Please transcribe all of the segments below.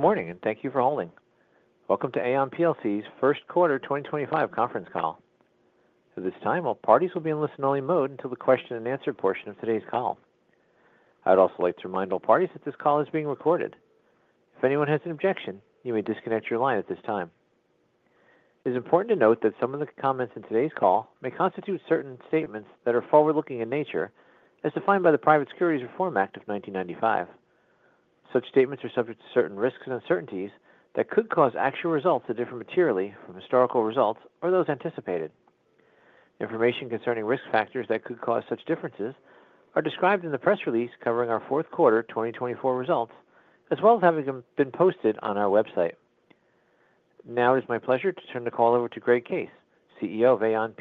Good morning, and thank you for holding. Welcome to Aon’s first quarter 2025 conference call. At this time, all parties will be in listen-only mode until the question-and-answer portion of today's call. I would also like to remind all parties that this call is being recorded. If anyone has an objection, you may disconnect your line at this time. It is important to note that some of the comments in today's call may constitute certain statements that are forward-looking in nature, as defined by the Private Securities Reform Act of 1995. Such statements are subject to certain risks and uncertainties that could cause actual results that differ materially from historical results or those anticipated. Information concerning risk factors that could cause such differences are described in the press release covering our fourth quarter 2024 results, as well as having been posted on our website. Now, it is my pleasure to turn the call over to Greg Case, CEO of Aon.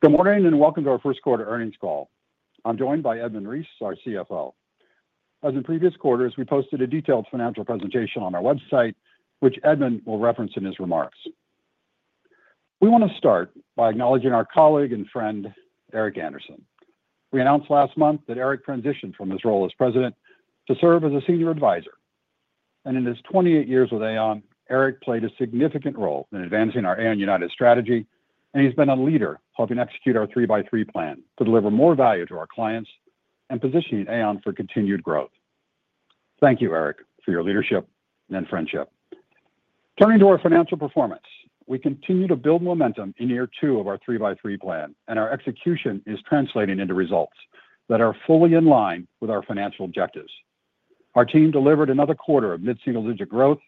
Good morning, and welcome to our first quarter earnings call. I'm joined by Edmund Reese, our CFO. As in previous quarters, we posted a detailed financial presentation on our website, which Edmund will reference in his remarks. We want to start by acknowledging our colleague and friend, Eric Andersen. We announced last month that Eric transitioned from his role as president to serve as a senior advisor. In his 28 years with Aon, Eric played a significant role in advancing our Aon United strategy, and he's been a leader helping execute our 3x3 plan to deliver more value to our clients and positioning Aon for continued growth. Thank you, Eric, for your leadership and friendship. Turning to our financial performance, we continue to build momentum in year two of our 3x3 plan, and our execution is translating into results that are fully in line with our financial objectives. Our team delivered another quarter of mid-single digit growth,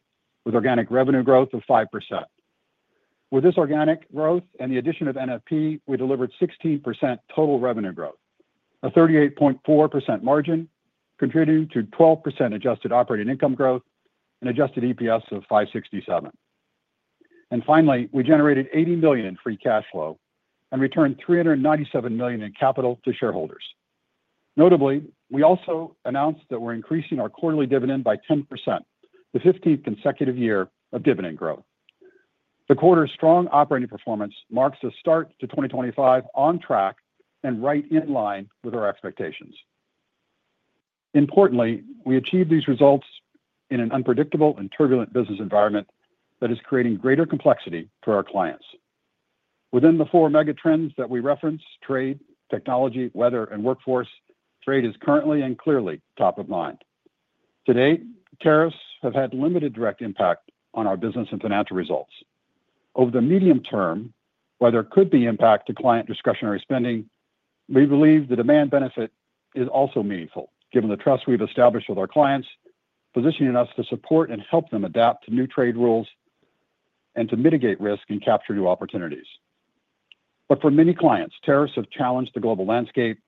with organic revenue growth of 5%. With this organic growth and the addition of NFP, we delivered 16% total revenue growth, a 38.4% margin, contributing to 12% adjusted operating income growth and adjusted EPS of $5.67. Finally, we generated $80 million in free cash flow and returned $397 million in capital to shareholders. Notably, we also announced that we're increasing our quarterly dividend by 10%, the 15th consecutive year of dividend growth. The quarter's strong operating performance marks a start to 2025 on track and right in line with our expectations. Importantly, we achieved these results in an unpredictable and turbulent business environment that is creating greater complexity for our clients. Within the four mega trends that we reference—trade, technology, weather, and workforce—trade is currently and clearly top of mind. Today, tariffs have had limited direct impact on our business and financial results. Over the medium term, while there could be impact to client discretionary spending, we believe the demand benefit is also meaningful, given the trust we've established with our clients, positioning us to support and help them adapt to new trade rules and to mitigate risk and capture new opportunities. For many clients, tariffs have challenged the global landscape,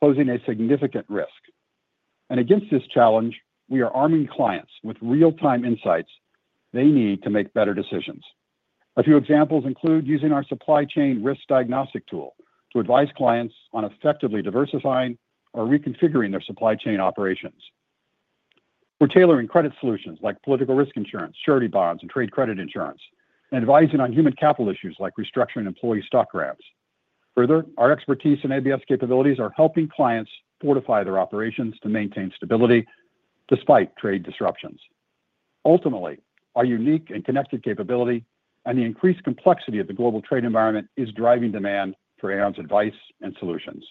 posing a significant risk. Against this challenge, we are arming clients with real-time insights they need to make better decisions. A few examples include using our supply chain risk diagnostic tool to advise clients on effectively diversifying or reconfiguring their supply chain operations. We're tailoring credit solutions like political risk insurance, surety bonds, and trade credit insurance, and advising on human capital issues like restructuring employee stock grants. Further, our expertise and ABS capabilities are helping clients fortify their operations to maintain stability despite trade disruptions. Ultimately, our unique and connected capability and the increased complexity of the global trade environment is driving demand for Aon's advice and solutions.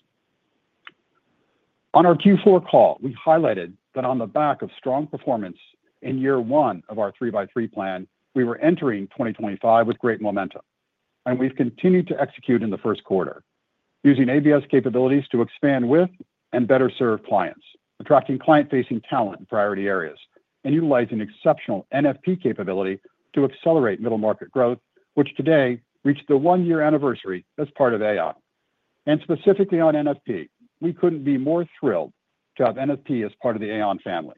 On our Q4 call, we highlighted that on the back of strong performance in year one of our 3x3 plan, we were entering 2025 with great momentum, and we've continued to execute in the first quarter, using ABS capabilities to expand with and better serve clients, attracting client-facing talent in priority areas, and utilizing exceptional NFP capability to accelerate middle market growth, which today reached the one-year anniversary as part of Aon. Specifically on NFP, we couldn't be more thrilled to have NFP as part of the Aon family.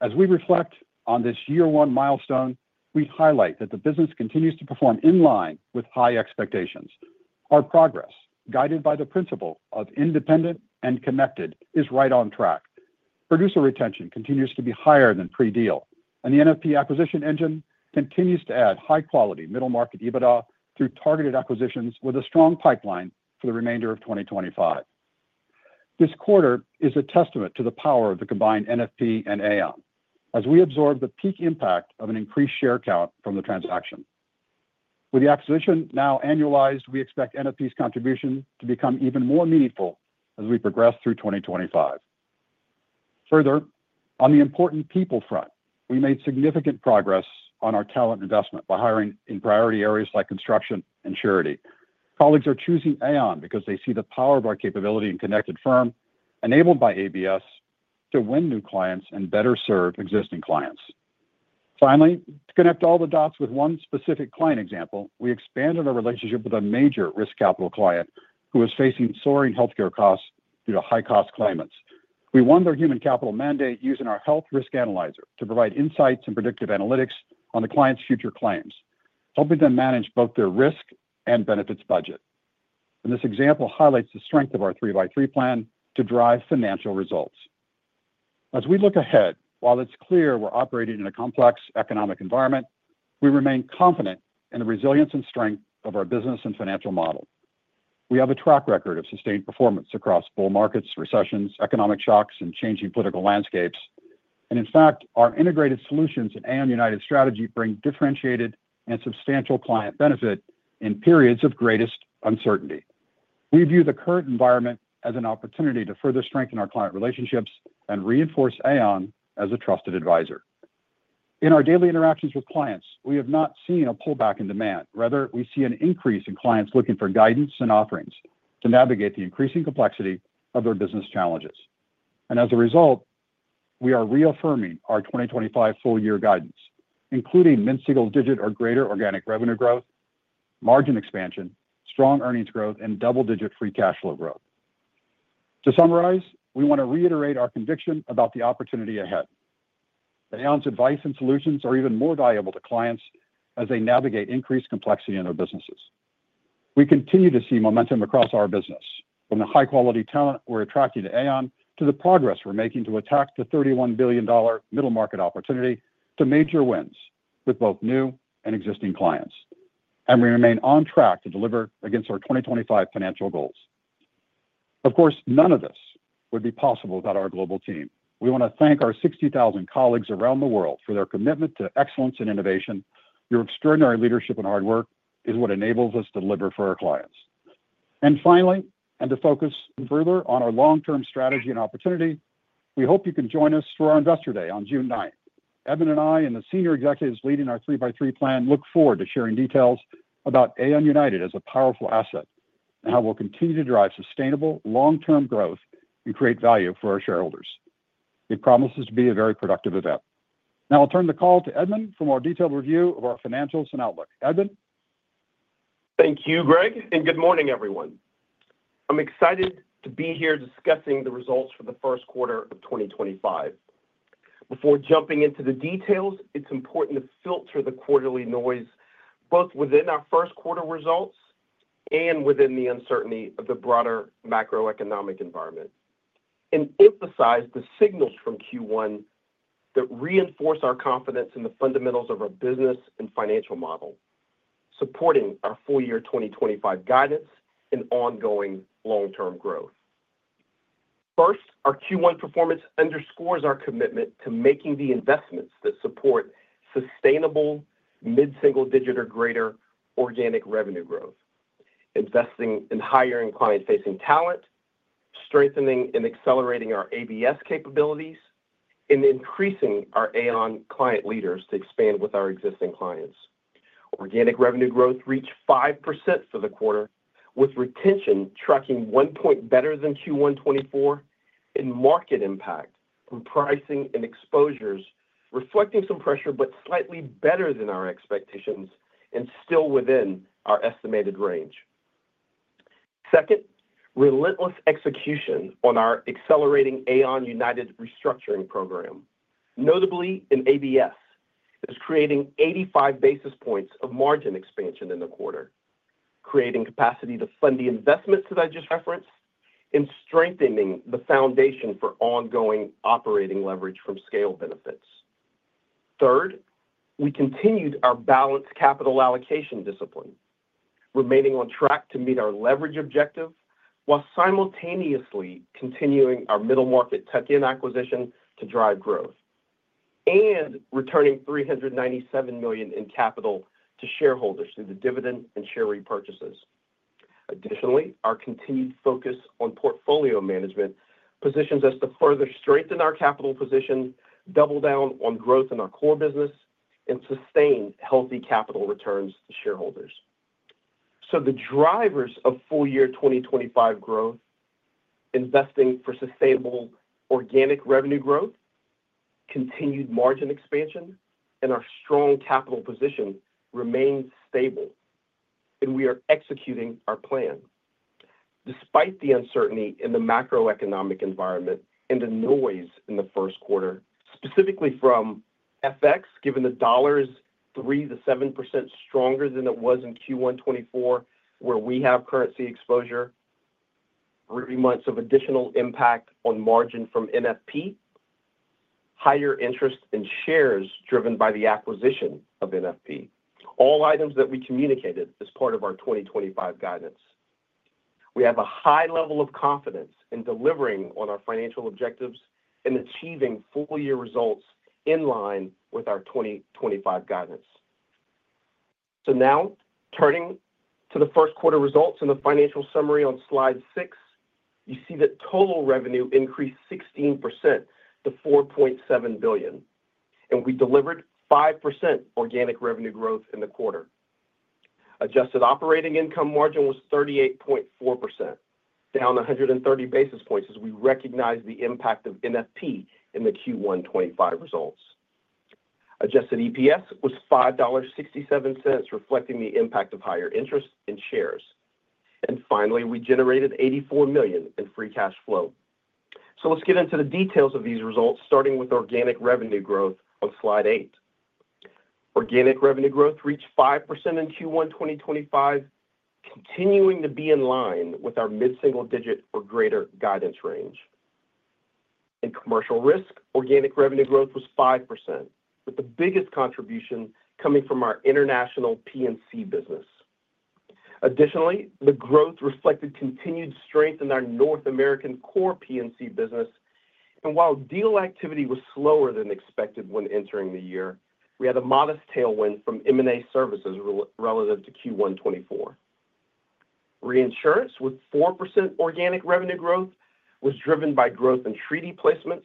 As we reflect on this year-one milestone, we highlight that the business continues to perform in line with high expectations. Our progress, guided by the principle of independent and connected, is right on track. Producer retention continues to be higher than pre-deal, and the NFP acquisition engine continues to add high-quality middle market EBITDA through targeted acquisitions with a strong pipeline for the remainder of 2025. This quarter is a testament to the power of the combined NFP and Aon, as we absorb the peak impact of an increased share count from the transaction. With the acquisition now annualized, we expect NFP's contribution to become even more meaningful as we progress through 2025. Further, on the important people front, we made significant progress on our talent investment by hiring in priority areas like construction and charity. Colleagues are choosing Aon because they see the power of our capability and connected firm, enabled by ABS, to win new clients and better serve existing clients. Finally, to connect all the dots with one specific client example, we expanded our relationship with a major risk capital client who is facing soaring healthcare costs due to high-cost claimants. We won their human capital mandate using our health risk analyzer to provide insights and predictive analytics on the client's future claims, helping them manage both their risk and benefits budget. This example highlights the strength of our 3x3 plan to drive financial results. As we look ahead, while it's clear we're operating in a complex economic environment, we remain confident in the resilience and strength of our business and financial model. We have a track record of sustained performance across bull markets, recessions, economic shocks, and changing political landscapes. Our integrated solutions and Aon United strategy bring differentiated and substantial client benefit in periods of greatest uncertainty. We view the current environment as an opportunity to further strengthen our client relationships and reinforce Aon as a trusted advisor. In our daily interactions with clients, we have not seen a pullback in demand. Rather, we see an increase in clients looking for guidance and offerings to navigate the increasing complexity of their business challenges. As a result, we are reaffirming our 2025 full-year guidance, including mid-single digit or greater organic revenue growth, margin expansion, strong earnings growth, and double-digit free cash flow growth. To summarize, we want to reiterate our conviction about the opportunity ahead. Aon's advice and solutions are even more valuable to clients as they navigate increased complexity in their businesses. We continue to see momentum across our business, from the high-quality talent we're attracting to Aon to the progress we're making to attack the $31 billion middle market opportunity to major wins with both new and existing clients. We remain on track to deliver against our 2025 financial goals. Of course, none of this would be possible without our global team. We want to thank our 60,000 colleagues around the world for their commitment to excellence and innovation. Your extraordinary leadership and hard work is what enables us to deliver for our clients. Finally, to focus further on our long-term strategy and opportunity, we hope you can join us for our investor day on June 9th. Edmund and I, and the senior executives leading our 3x3 plan, look forward to sharing details about Aon United as a powerful asset and how we'll continue to drive sustainable long-term growth and create value for our shareholders. It promises to be a very productive event. Now, I'll turn the call to Edmund for more detailed review of our financials and outlook. Edmund. Thank you, Greg, and good morning, everyone. I'm excited to be here discussing the results for the first quarter of 2025. Before jumping into the details, it's important to filter the quarterly noise both within our first quarter results and within the uncertainty of the broader macroeconomic environment, and emphasize the signals from Q1 that reinforce our confidence in the fundamentals of our business and financial model, supporting our full-year 2025 guidance and ongoing long-term growth. First, our Q1 performance underscores our commitment to making the investments that support sustainable mid-single digit or greater organic revenue growth, investing in hiring client-facing talent, strengthening and accelerating our ABS capabilities, and increasing our Aon client leaders to expand with our existing clients. Organic revenue growth reached 5% for the quarter, with retention tracking one point better than Q1 2024, and market impact from pricing and exposures reflecting some pressure but slightly better than our expectations and still within our estimated range. Second, relentless execution on our accelerating Aon United restructuring program, notably in ABS, is creating 85 basis points of margin expansion in the quarter, creating capacity to fund the investments that I just referenced and strengthening the foundation for ongoing operating leverage from scale benefits. Third, we continued our balanced capital allocation discipline, remaining on track to meet our leverage objective while simultaneously continuing our middle market tuck-in acquisition to drive growth and returning $397 million in capital to shareholders through the dividend and share repurchases. Additionally, our continued focus on portfolio management positions us to further strengthen our capital position, double down on growth in our core business, and sustain healthy capital returns to shareholders. The drivers of full-year 2025 growth, investing for sustainable organic revenue growth, continued margin expansion, and our strong capital position remain stable, and we are executing our plan. Despite the uncertainty in the macroeconomic environment and the noise in the first quarter, specifically from FX, given the dollar's 3%-7% stronger than it was in Q1 2024, where we have currency exposure, three months of additional impact on margin from NFP, higher interest in shares driven by the acquisition of NFP, all items that we communicated as part of our 2025 guidance. We have a high level of confidence in delivering on our financial objectives and achieving full-year results in line with our 2025 guidance. Now, turning to the first quarter results and the financial summary on slide six, you see that total revenue increased 16% to $4.7 billion, and we delivered 5% organic revenue growth in the quarter. Adjusted operating income margin was 38.4%, down 130 basis points as we recognize the impact of NFP in the Q1 2025 results. Adjusted EPS was $5.67, reflecting the impact of higher interest in shares. Finally, we generated $84 million in free cash flow. Let's get into the details of these results, starting with organic revenue growth on slide 8. Organic revenue growth reached 5% in Q1 2025, continuing to be in line with our mid-single digit or greater guidance range. In commercial risk, organic revenue growth was 5%, with the biggest contribution coming from our international P&C business. Additionally, the growth reflected continued strength in our North American core P&C business. While deal activity was slower than expected when entering the year, we had a modest tailwind from M&A services relative to Q1 2024. Reinsurance with 4% organic revenue growth was driven by growth in treaty placements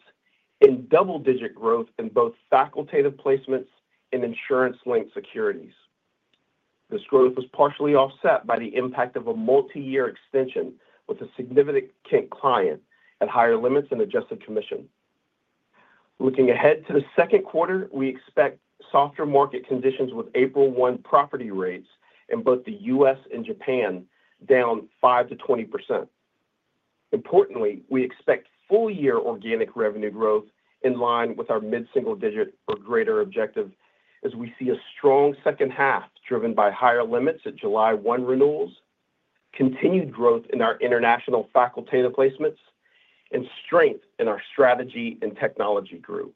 and double-digit growth in both facultative placements and insurance-linked securities. This growth was partially offset by the impact of a multi-year extension with a significant client at higher limits and adjusted commission. Looking ahead to the second quarter, we expect softer market conditions with April 1 property rates in both the U.S. and Japan, down 5-20%. Importantly, we expect full-year organic revenue growth in line with our mid-single digit or greater objective as we see a strong second half driven by higher limits at July 1 renewals, continued growth in our international facultative placements, and strength in our strategy and technology group.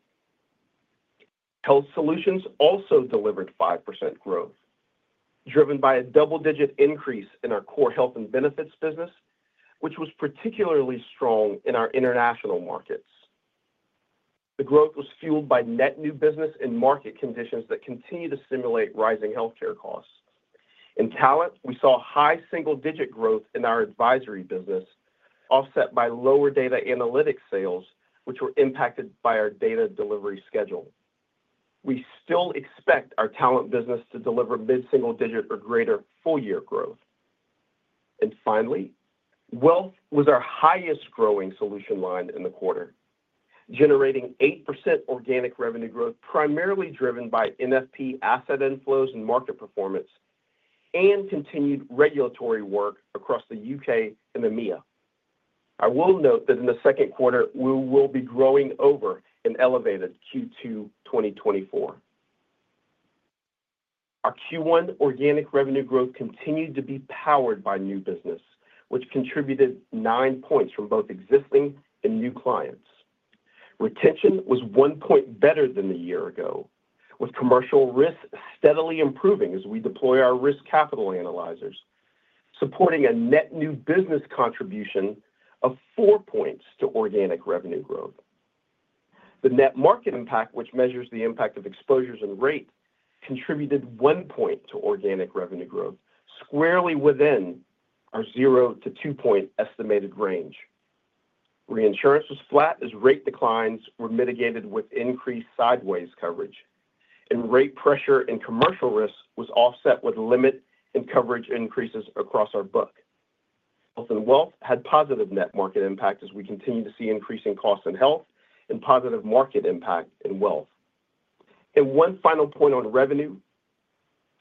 Health solutions also delivered 5% growth, driven by a double-digit increase in our core health and benefits business, which was particularly strong in our international markets. The growth was fueled by net new business and market conditions that continue to simulate rising healthcare costs. In talent, we saw high single-digit growth in our advisory business, offset by lower data analytics sales, which were impacted by our data delivery schedule. We still expect our talent business to deliver mid-single digit or greater full-year growth. Finally, wealth was our highest-growing solution line in the quarter, generating 8% organic revenue growth primarily driven by NFP asset inflows and market performance and continued regulatory work across the U.K. and EMEA. I will note that in the second quarter, we will be growing over an elevated Q2 2024. Our Q1 organic revenue growth continued to be powered by new business, which contributed nine points from both existing and new clients. Retention was one point better than a year ago, with commercial risk steadily improving as we deploy our risk capital analyzers, supporting a net new business contribution of four points to organic revenue growth. The net market impact, which measures the impact of exposures and rate, contributed one point to organic revenue growth, squarely within our 0-2 point estimated range. Reinsurance was flat as rate declines were mitigated with increased sideways coverage, and rate pressure in commercial risk was offset with limit and coverage increases across our book. Health and wealth had positive net market impact as we continue to see increasing costs in health and positive market impact in wealth. One final point on revenue,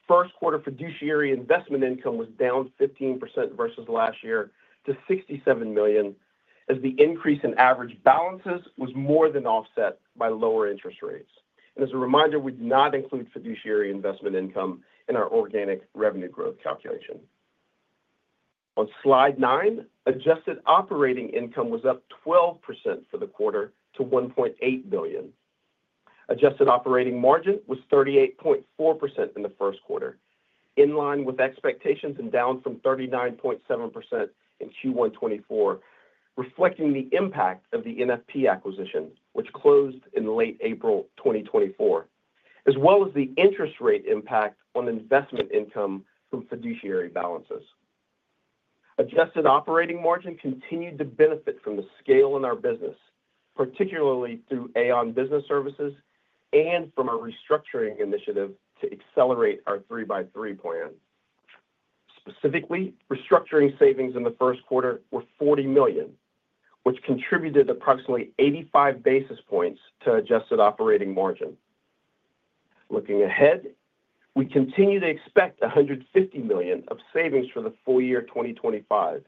first quarter fiduciary investment income was down 15% versus last year to $67 million as the increase in average balances was more than offset by lower interest rates. As a reminder, we do not include fiduciary investment income in our organic revenue growth calculation. On slide nine, adjusted operating income was up 12% for the quarter to $1.8 billion. Adjusted operating margin was 38.4% in the first quarter, in line with expectations and down from 39.7% in Q1 2024, reflecting the impact of the NFP acquisition, which closed in late April 2024, as well as the interest rate impact on investment income from fiduciary balances. Adjusted operating margin continued to benefit from the scale in our business, particularly through Aon Business Services and from our restructuring initiative to accelerate our 3x3 plan. Specifically, restructuring savings in the first quarter were $40 million, which contributed approximately 85 basis points to adjusted operating margin. Looking ahead, we continue to expect $150 million of savings for the full year 2025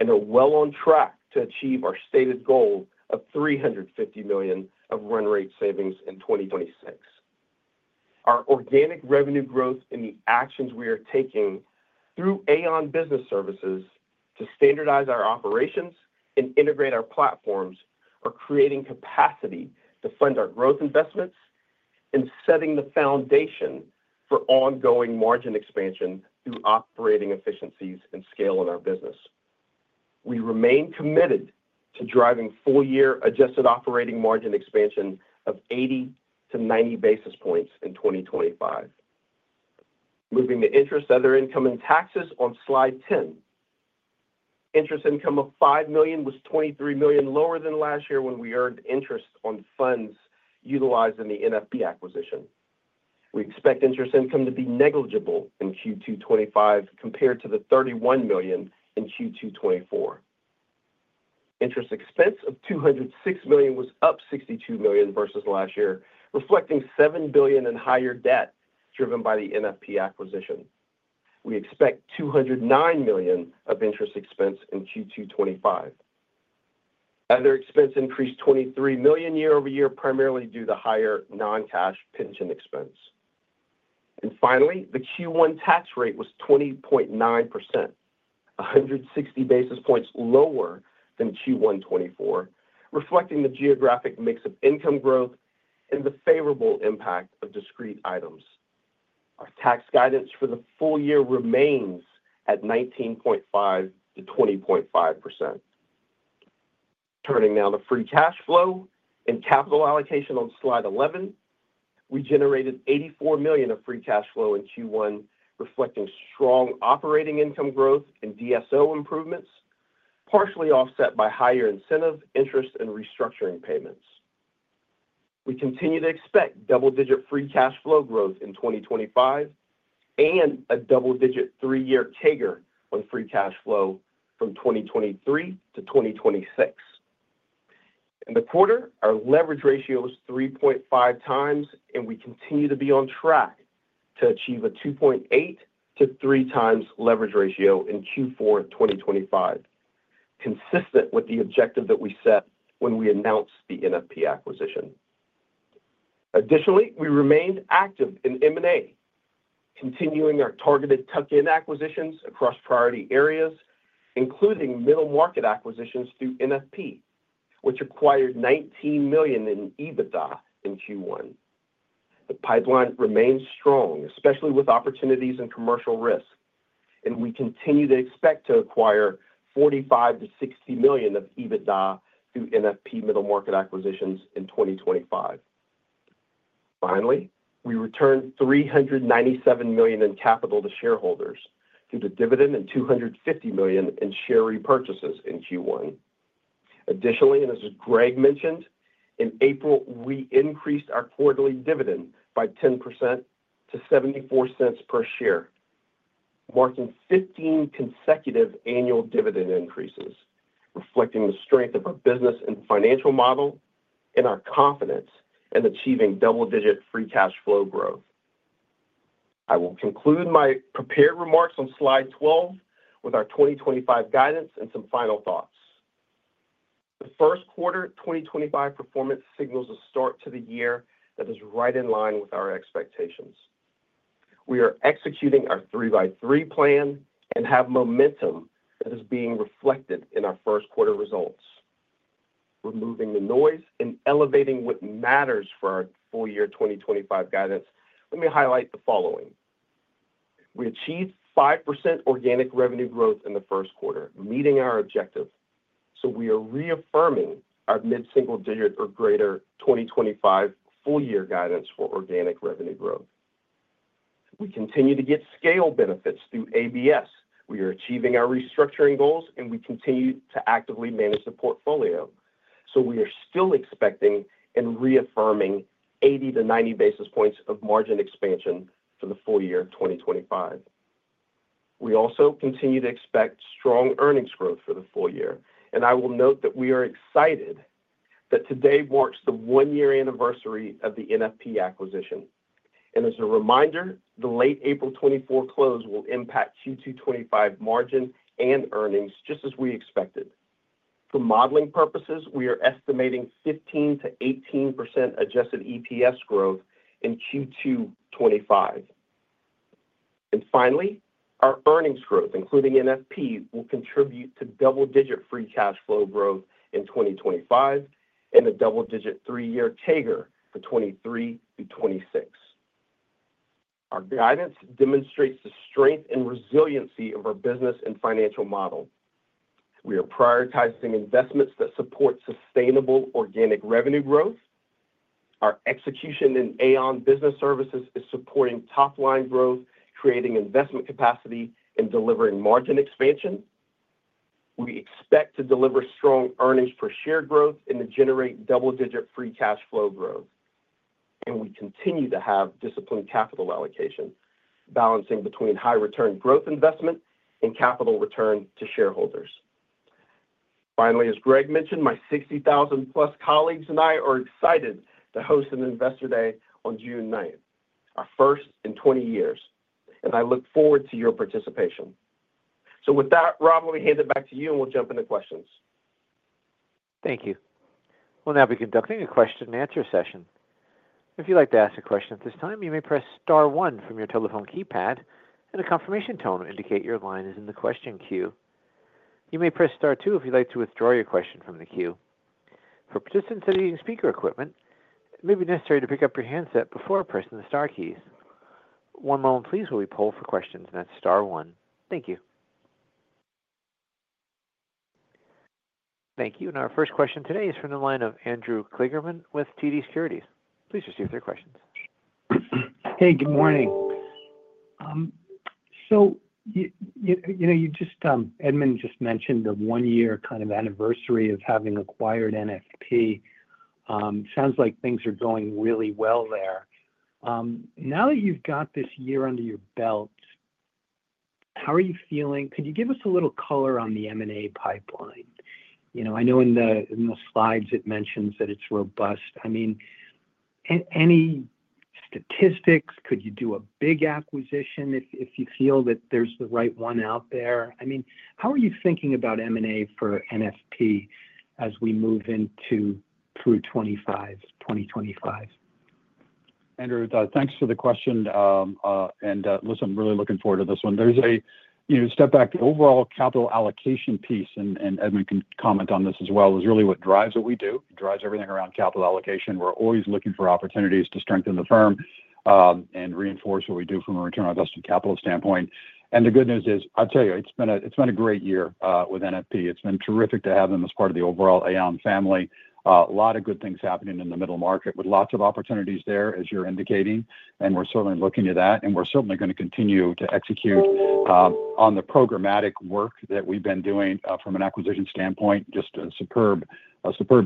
and are well on track to achieve our stated goal of $350 million of run rate savings in 2026. Our organic revenue growth and the actions we are taking through Aon Business Services to standardize our operations and integrate our platforms are creating capacity to fund our growth investments and setting the foundation for ongoing margin expansion through operating efficiencies and scale in our business. We remain committed to driving full-year adjusted operating margin expansion of 80-90 basis points in 2025. Moving to interest, other income and taxes on slide 10. Interest income of $5 million was $23 million lower than last year when we earned interest on funds utilized in the NFP acquisition. We expect interest income to be negligible in Q2 2025 compared to the $31 million in Q2 2024. Interest expense of $206 million was up $62 million versus last year, reflecting $7 billion in higher debt driven by the NFP acquisition. We expect $209 million of interest expense in Q2 2025. Other expense increased $23 million year over year, primarily due to higher non-cash pension expense. Finally, the Q1 tax rate was 20.9%, 160 basis points lower than Q1 2024, reflecting the geographic mix of income growth and the favorable impact of discrete items. Our tax guidance for the full year remains at 19.5%-20.5%. Turning now to free cash flow and capital allocation on slide 11, we generated $84 million of free cash flow in Q1, reflecting strong operating income growth and DSO improvements, partially offset by higher incentive, interest, and restructuring payments. We continue to expect double-digit free cash flow growth in 2025 and a double-digit three-year CAGR on free cash flow from 2023 to 2026. In the quarter, our leverage ratio was 3.5 times, and we continue to be on track to achieve a 2.8-3 times leverage ratio in Q4 2025, consistent with the objective that we set when we announced the NFP acquisition. Additionally, we remained active in M&A, continuing our targeted tuck-in acquisitions across priority areas, including middle market acquisitions through NFP, which acquired $19 million in EBITDA in Q1. The pipeline remains strong, especially with opportunities in commercial risk, and we continue to expect to acquire $45 million-$60 million of EBITDA through NFP middle market acquisitions in 2025. Finally, we returned $397 million in capital to shareholders through the dividend and $250 million in share repurchases in Q1. Additionally, as Greg mentioned, in April, we increased our quarterly dividend by 10% to $0.74 per share, marking 15 consecutive annual dividend increases, reflecting the strength of our business and financial model and our confidence in achieving double-digit free cash flow growth. I will conclude my prepared remarks on slide 12 with our 2025 guidance and some final thoughts. The first quarter 2025 performance signals a start to the year that is right in line with our expectations. We are executing our 3x3 plan and have momentum that is being reflected in our first quarter results. Removing the noise and elevating what matters for our full-year 2025 guidance, let me highlight the following. We achieved 5% organic revenue growth in the first quarter, meeting our objective. We are reaffirming our mid-single digit or greater 2025 full-year guidance for organic revenue growth. We continue to get scale benefits through ABS. We are achieving our restructuring goals, and we continue to actively manage the portfolio. We are still expecting and reaffirming 80-90 basis points of margin expansion for the full year 2025. We also continue to expect strong earnings growth for the full year. I will note that we are excited that today marks the one-year anniversary of the NFP acquisition. As a reminder, the late April 2024 close will impact Q2 2025 margin and earnings just as we expected. For modeling purposes, we are estimating 15%-18% adjusted EPS growth in Q2 2025. Finally, our earnings growth, including NFP, will contribute to double-digit free cash flow growth in 2025 and a double-digit three-year CAGR for 2023 to 2026. Our guidance demonstrates the strength and resiliency of our business and financial model. We are prioritizing investments that support sustainable organic revenue growth. Our execution in Aon Business Services is supporting top-line growth, creating investment capacity, and delivering margin expansion. We expect to deliver strong earnings per share growth and to generate double-digit free cash flow growth. We continue to have disciplined capital allocation, balancing between high-return growth investment and capital return to shareholders. Finally, as Greg mentioned, my 60,000-plus colleagues and I are excited to host an Investor Day on June 9th, our first in 20 years. I look forward to your participation. With that, Rob, let me hand it back to you, and we'll jump into questions. Thank you. We'll now be conducting a question-and-answer session. If you'd like to ask a question at this time, you may press star one from your telephone keypad, and a confirmation tone will indicate your line is in the question queue. You may press star two if you'd like to withdraw your question from the queue. For participants that are using speaker equipment, it may be necessary to pick up your handset before pressing the star keys. One moment, please, while we poll for questions, and that's star one. Thank you. Thank you. Our first question today is from the line of Andrew Kligerman with TD Securities. Please proceed with your questions. Hey, good morning. You just, Edmund just mentioned the one-year kind of anniversary of having acquired NFP. Sounds like things are going really well there. Now that you've got this year under your belt, how are you feeling? Could you give us a little color on the M&A pipeline? I know in the slides it mentions that it's robust. I mean, any statistics? Could you do a big acquisition if you feel that there's the right one out there? I mean, how are you thinking about M&A for NFP as we move into Q2 2025? Andrew, thanks for the question. Listen, I'm really looking forward to this one. There's a step back. The overall capital allocation piece, and Edmund can comment on this as well, is really what drives what we do. It drives everything around capital allocation. We're always looking for opportunities to strengthen the firm and reinforce what we do from a return on investment capital standpoint. The good news is, I'll tell you, it's been a great year with NFP. It's been terrific to have them as part of the overall Aon family. A lot of good things happening in the middle market with lots of opportunities there, as you're indicating. We're certainly looking at that, and we're certainly going to continue to execute on the programmatic work that we've been doing from an acquisition standpoint, just a superb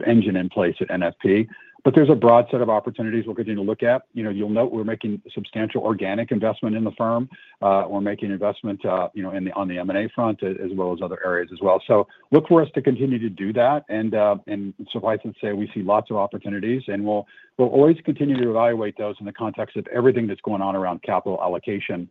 engine in place at NFP. There's a broad set of opportunities we're going to look at. You'll note we're making substantial organic investment in the firm. We're making investment on the M&A front as well as other areas as well. Look for us to continue to do that. Suffice to say, we see lots of opportunities, and we'll always continue to evaluate those in the context of everything that's going on around capital allocation,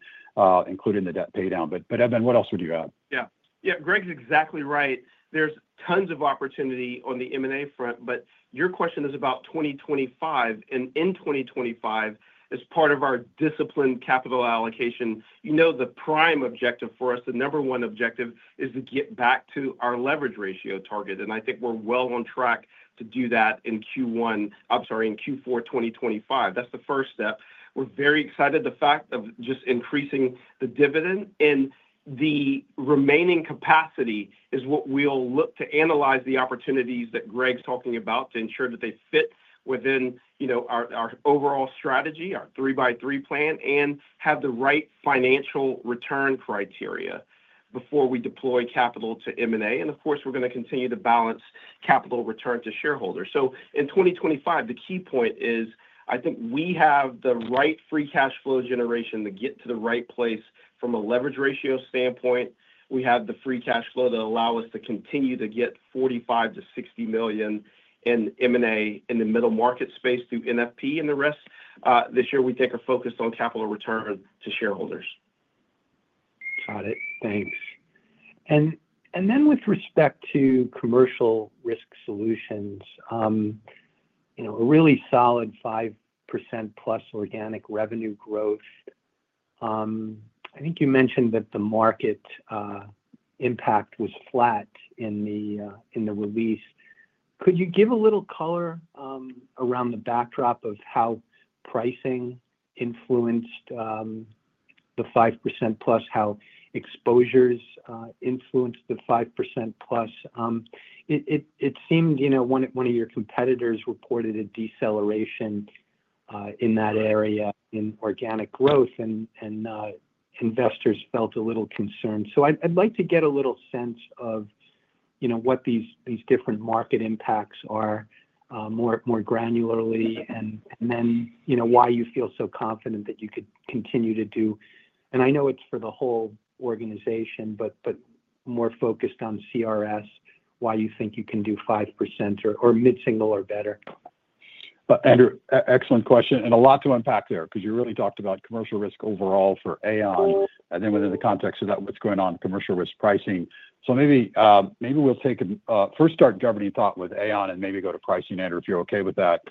including the debt paydown. Edmund, what else would you add? Yeah. Yeah, Greg's exactly right. There's tons of opportunity on the M&A front, but your question is about 2025. In 2025, as part of our disciplined capital allocation, the prime objective for us, the number one objective, is to get back to our leverage ratio target. I think we're well on track to do that in Q4 2025. That's the first step. We're very excited at the fact of just increasing the dividend. The remaining capacity is what we'll look to analyze the opportunities that Greg's talking about to ensure that they fit within our overall strategy, our 3x3 plan, and have the right financial return criteria before we deploy capital to M&A. Of course, we're going to continue to balance capital return to shareholders. In 2025, the key point is, I think we have the right free cash flow generation to get to the right place from a leverage ratio standpoint. We have the free cash flow to allow us to continue to get $45 million-$60 million in M&A in the middle market space through NFP and the rest. This year, we think our focus is on capital return to shareholders. Got it. Thanks. With respect to commercial risk solutions, a really solid 5% plus organic revenue growth. I think you mentioned that the market impact was flat in the release. Could you give a little color around the backdrop of how pricing influenced the 5% plus, how exposures influenced the 5% plus? It seemed one of your competitors reported a deceleration in that area in organic growth, and investors felt a little concerned. I’d like to get a little sense of what these different market impacts are more granularly and then why you feel so confident that you could continue to do. I know it’s for the whole organization, but more focused on CRS, why you think you can do 5% or mid-single or better. Excellent question. A lot to unpack there because you really talked about commercial risk overall for Aon and then within the context of that, what’s going on in commercial risk pricing. Maybe we'll take a first start governing thought with Aon and maybe go to pricing, Andrew, if you're okay with that.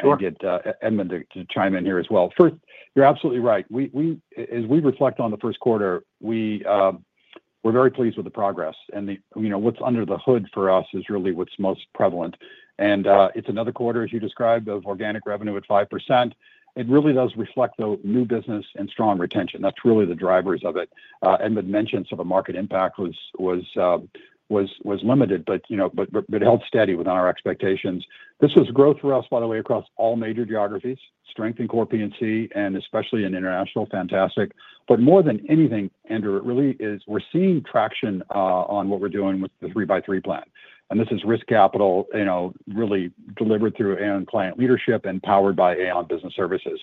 Sure. And get Edmund to chime in here as well. First, you're absolutely right. As we reflect on the first quarter, we're very pleased with the progress. What's under the hood for us is really what's most prevalent. It's another quarter, as you described, of organic revenue at 5%. It really does reflect the new business and strong retention. That's really the drivers of it. Edmund mentioned some of the market impact was limited, but it held steady within our expectations. This was growth for us, by the way, across all major geographies, strength in core P&C, and especially in international, fantastic. More than anything, Andrew, it really is we're seeing traction on what we're doing with the 3x3 plan. This is risk capital really delivered through Aon client leadership and powered by Aon Business Services.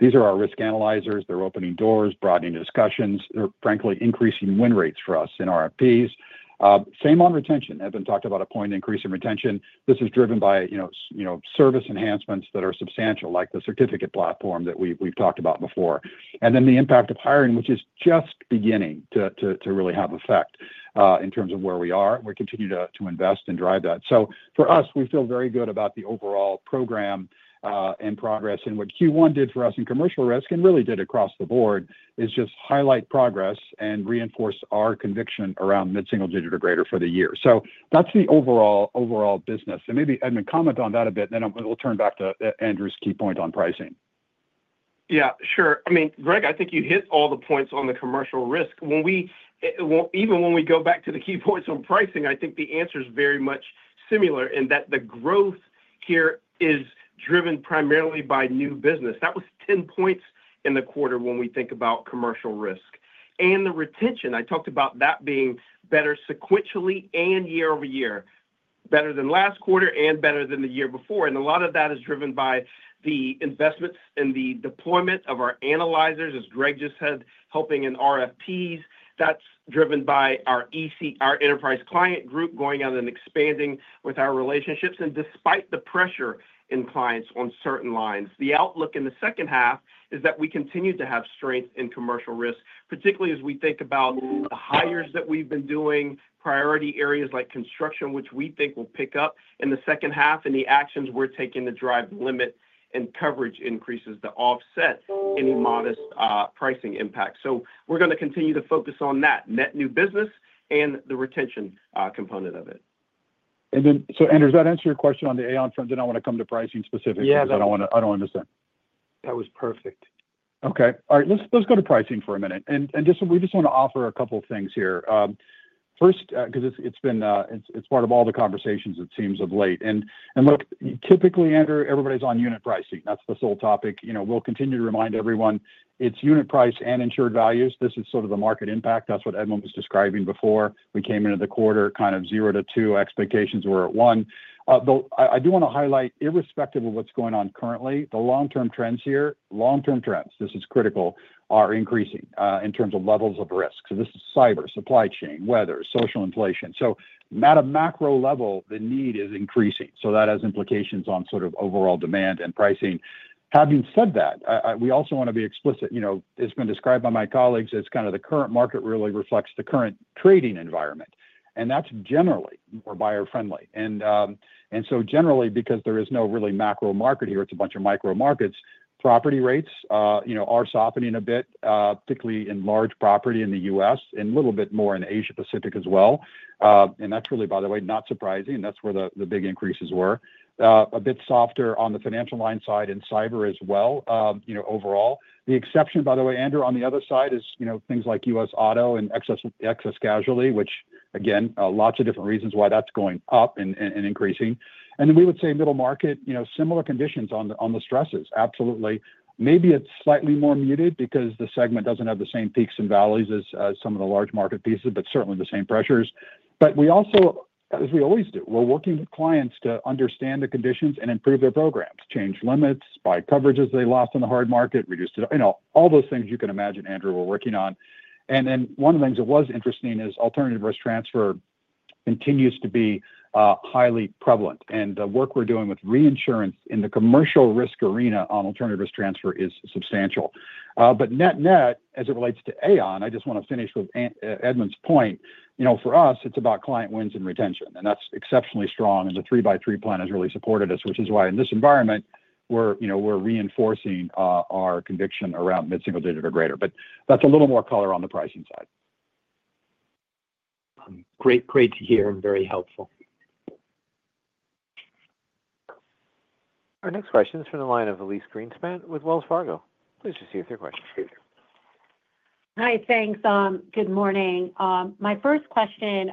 These are our risk analyzers. They're opening doors, broadening discussions. They're, frankly, increasing win rates for us in RFPs. Same on retention. Edmund talked about a point of increasing retention. This is driven by service enhancements that are substantial, like the certificate platform that we've talked about before. The impact of hiring is just beginning to really have effect in terms of where we are. We continue to invest and drive that. For us, we feel very good about the overall program and progress. What Q1 did for us in commercial risk and really did across the board is just highlight progress and reinforce our conviction around mid-single digit or greater for the year. That's the overall business. Maybe Edmund, comment on that a bit, and then we'll turn back to Andrew's key point on pricing. Yeah, sure. I mean, Greg, I think you hit all the points on the commercial risk. Even when we go back to the key points on pricing, I think the answer is very much similar in that the growth here is driven primarily by new business. That was 10 points in the quarter when we think about commercial risk. The retention, I talked about that being better sequentially and year over year, better than last quarter and better than the year before. A lot of that is driven by the investments and the deployment of our analyzers, as Greg just said, helping in RFPs. That is driven by our enterprise client group going out and expanding with our relationships. Despite the pressure in clients on certain lines, the outlook in the second half is that we continue to have strength in commercial risk, particularly as we think about the hires that we've been doing, priority areas like construction, which we think will pick up in the second half, and the actions we're taking to drive limit and coverage increases to offset any modest pricing impact. We are going to continue to focus on that, net new business and the retention component of it. Andrew, does that answer your question on the Aon front? I want to come to pricing specifically, because I do not understand. That was perfect. All right. Let's go to pricing for a minute. We just want to offer a couple of things here. First, because it is part of all the conversations, it seems, of late. Look, typically, Andrew, everybody's on unit pricing. That's the sole topic. We'll continue to remind everyone. It's unit price and insured values. This is sort of the market impact. That's what Edmund was describing before we came into the quarter. Kind of zero to two expectations were at one. I do want to highlight, irrespective of what's going on currently, the long-term trends here, long-term trends, this is critical, are increasing in terms of levels of risk. This is cyber, supply chain, weather, social inflation. At a macro level, the need is increasing. That has implications on sort of overall demand and pricing. Having said that, we also want to be explicit. It's been described by my colleagues as kind of the current market really reflects the current trading environment. That's generally more buyer-friendly. Generally, because there is no really macro market here, it's a bunch of micro markets. Property rates are softening a bit, particularly in large property in the US, and a little bit more in Asia-Pacific as well. That's really, by the way, not surprising. That's where the big increases were. A bit softer on the financial line side and cyber as well overall. The exception, by the way, Andrew, on the other side is things like US auto and excess casualty, which, again, lots of different reasons why that's going up and increasing. We would say middle market, similar conditions on the stresses. Absolutely. Maybe it's slightly more muted because the segment doesn't have the same peaks and valleys as some of the large market pieces, but certainly the same pressures. We also, as we always do, are working with clients to understand the conditions and improve their programs, change limits, buy coverages they lost in the hard market, reduce all those things you can imagine, Andrew, we are working on. One of the things that was interesting is alternative risk transfer continues to be highly prevalent. The work we are doing with reinsurance in the commercial risk arena on alternative risk transfer is substantial. Net-net, as it relates to Aon, I just want to finish with Edmund's point. For us, it is about client wins and retention. That is exceptionally strong. The 3x3 plan has really supported us, which is why in this environment, we are reinforcing our conviction around mid-single digit or greater. That is a little more color on the pricing side. Great to hear and very helpful. Our next question is from the line of Elyse Greenspan with Wells Fargo. Please just see if their question is here. Hi, thanks. Good morning. My first question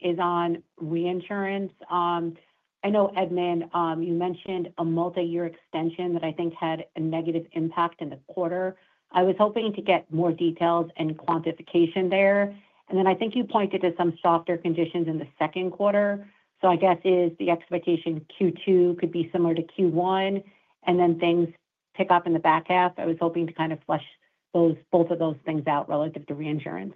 is on reinsurance. I know, Edmund, you mentioned a multi-year extension that I think had a negative impact in the quarter. I was hoping to get more details and quantification there. And then I think you pointed to some softer conditions in the second quarter. I guess is the expectation Q2 could be similar to Q1, and then things pick up in the back half? I was hoping to kind of flesh both of those things out relative to reinsurance.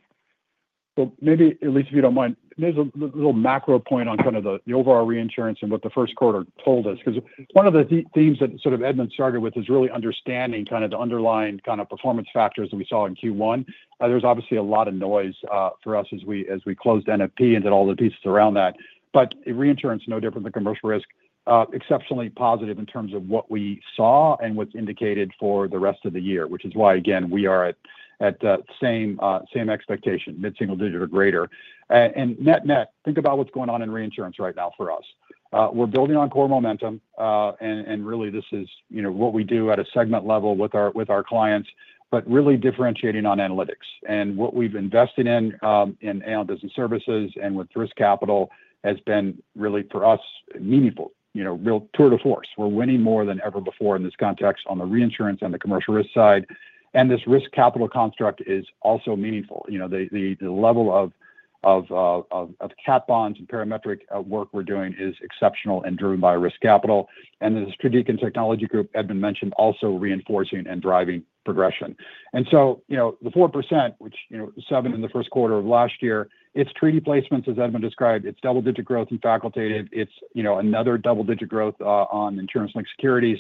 Maybe, Elyse, if you don't mind, there's a little macro point on kind of the overall reinsurance and what the first quarter told us. Because one of the themes that sort of Edmund started with is really understanding kind of the underlying kind of performance factors that we saw in Q1. There is obviously a lot of noise for us as we closed NFP and did all the pieces around that. Reinsurance, no different than commercial risk, exceptionally positive in terms of what we saw and what is indicated for the rest of the year, which is why, again, we are at the same expectation, mid-single digit or greater. Net-net, think about what is going on in reinsurance right now for us. We are building on core momentum. This is what we do at a segment level with our clients, but really differentiating on analytics. What we have invested in in Aon Business Services and with Risk Capital has been really, for us, meaningful, real tour de force. We're winning more than ever before in this context on the reinsurance and the commercial risk side. This risk capital construct is also meaningful. The level of cap bonds and parametric work we're doing is exceptional and driven by risk capital. The Strategic and Technology Group, Edmund mentioned, also reinforcing and driving progression. The 4%, which was seven in the first quarter of last year, it's treaty placements, as Edmund described. It's double-digit growth in faculty. It's another double-digit growth on insurance-linked securities.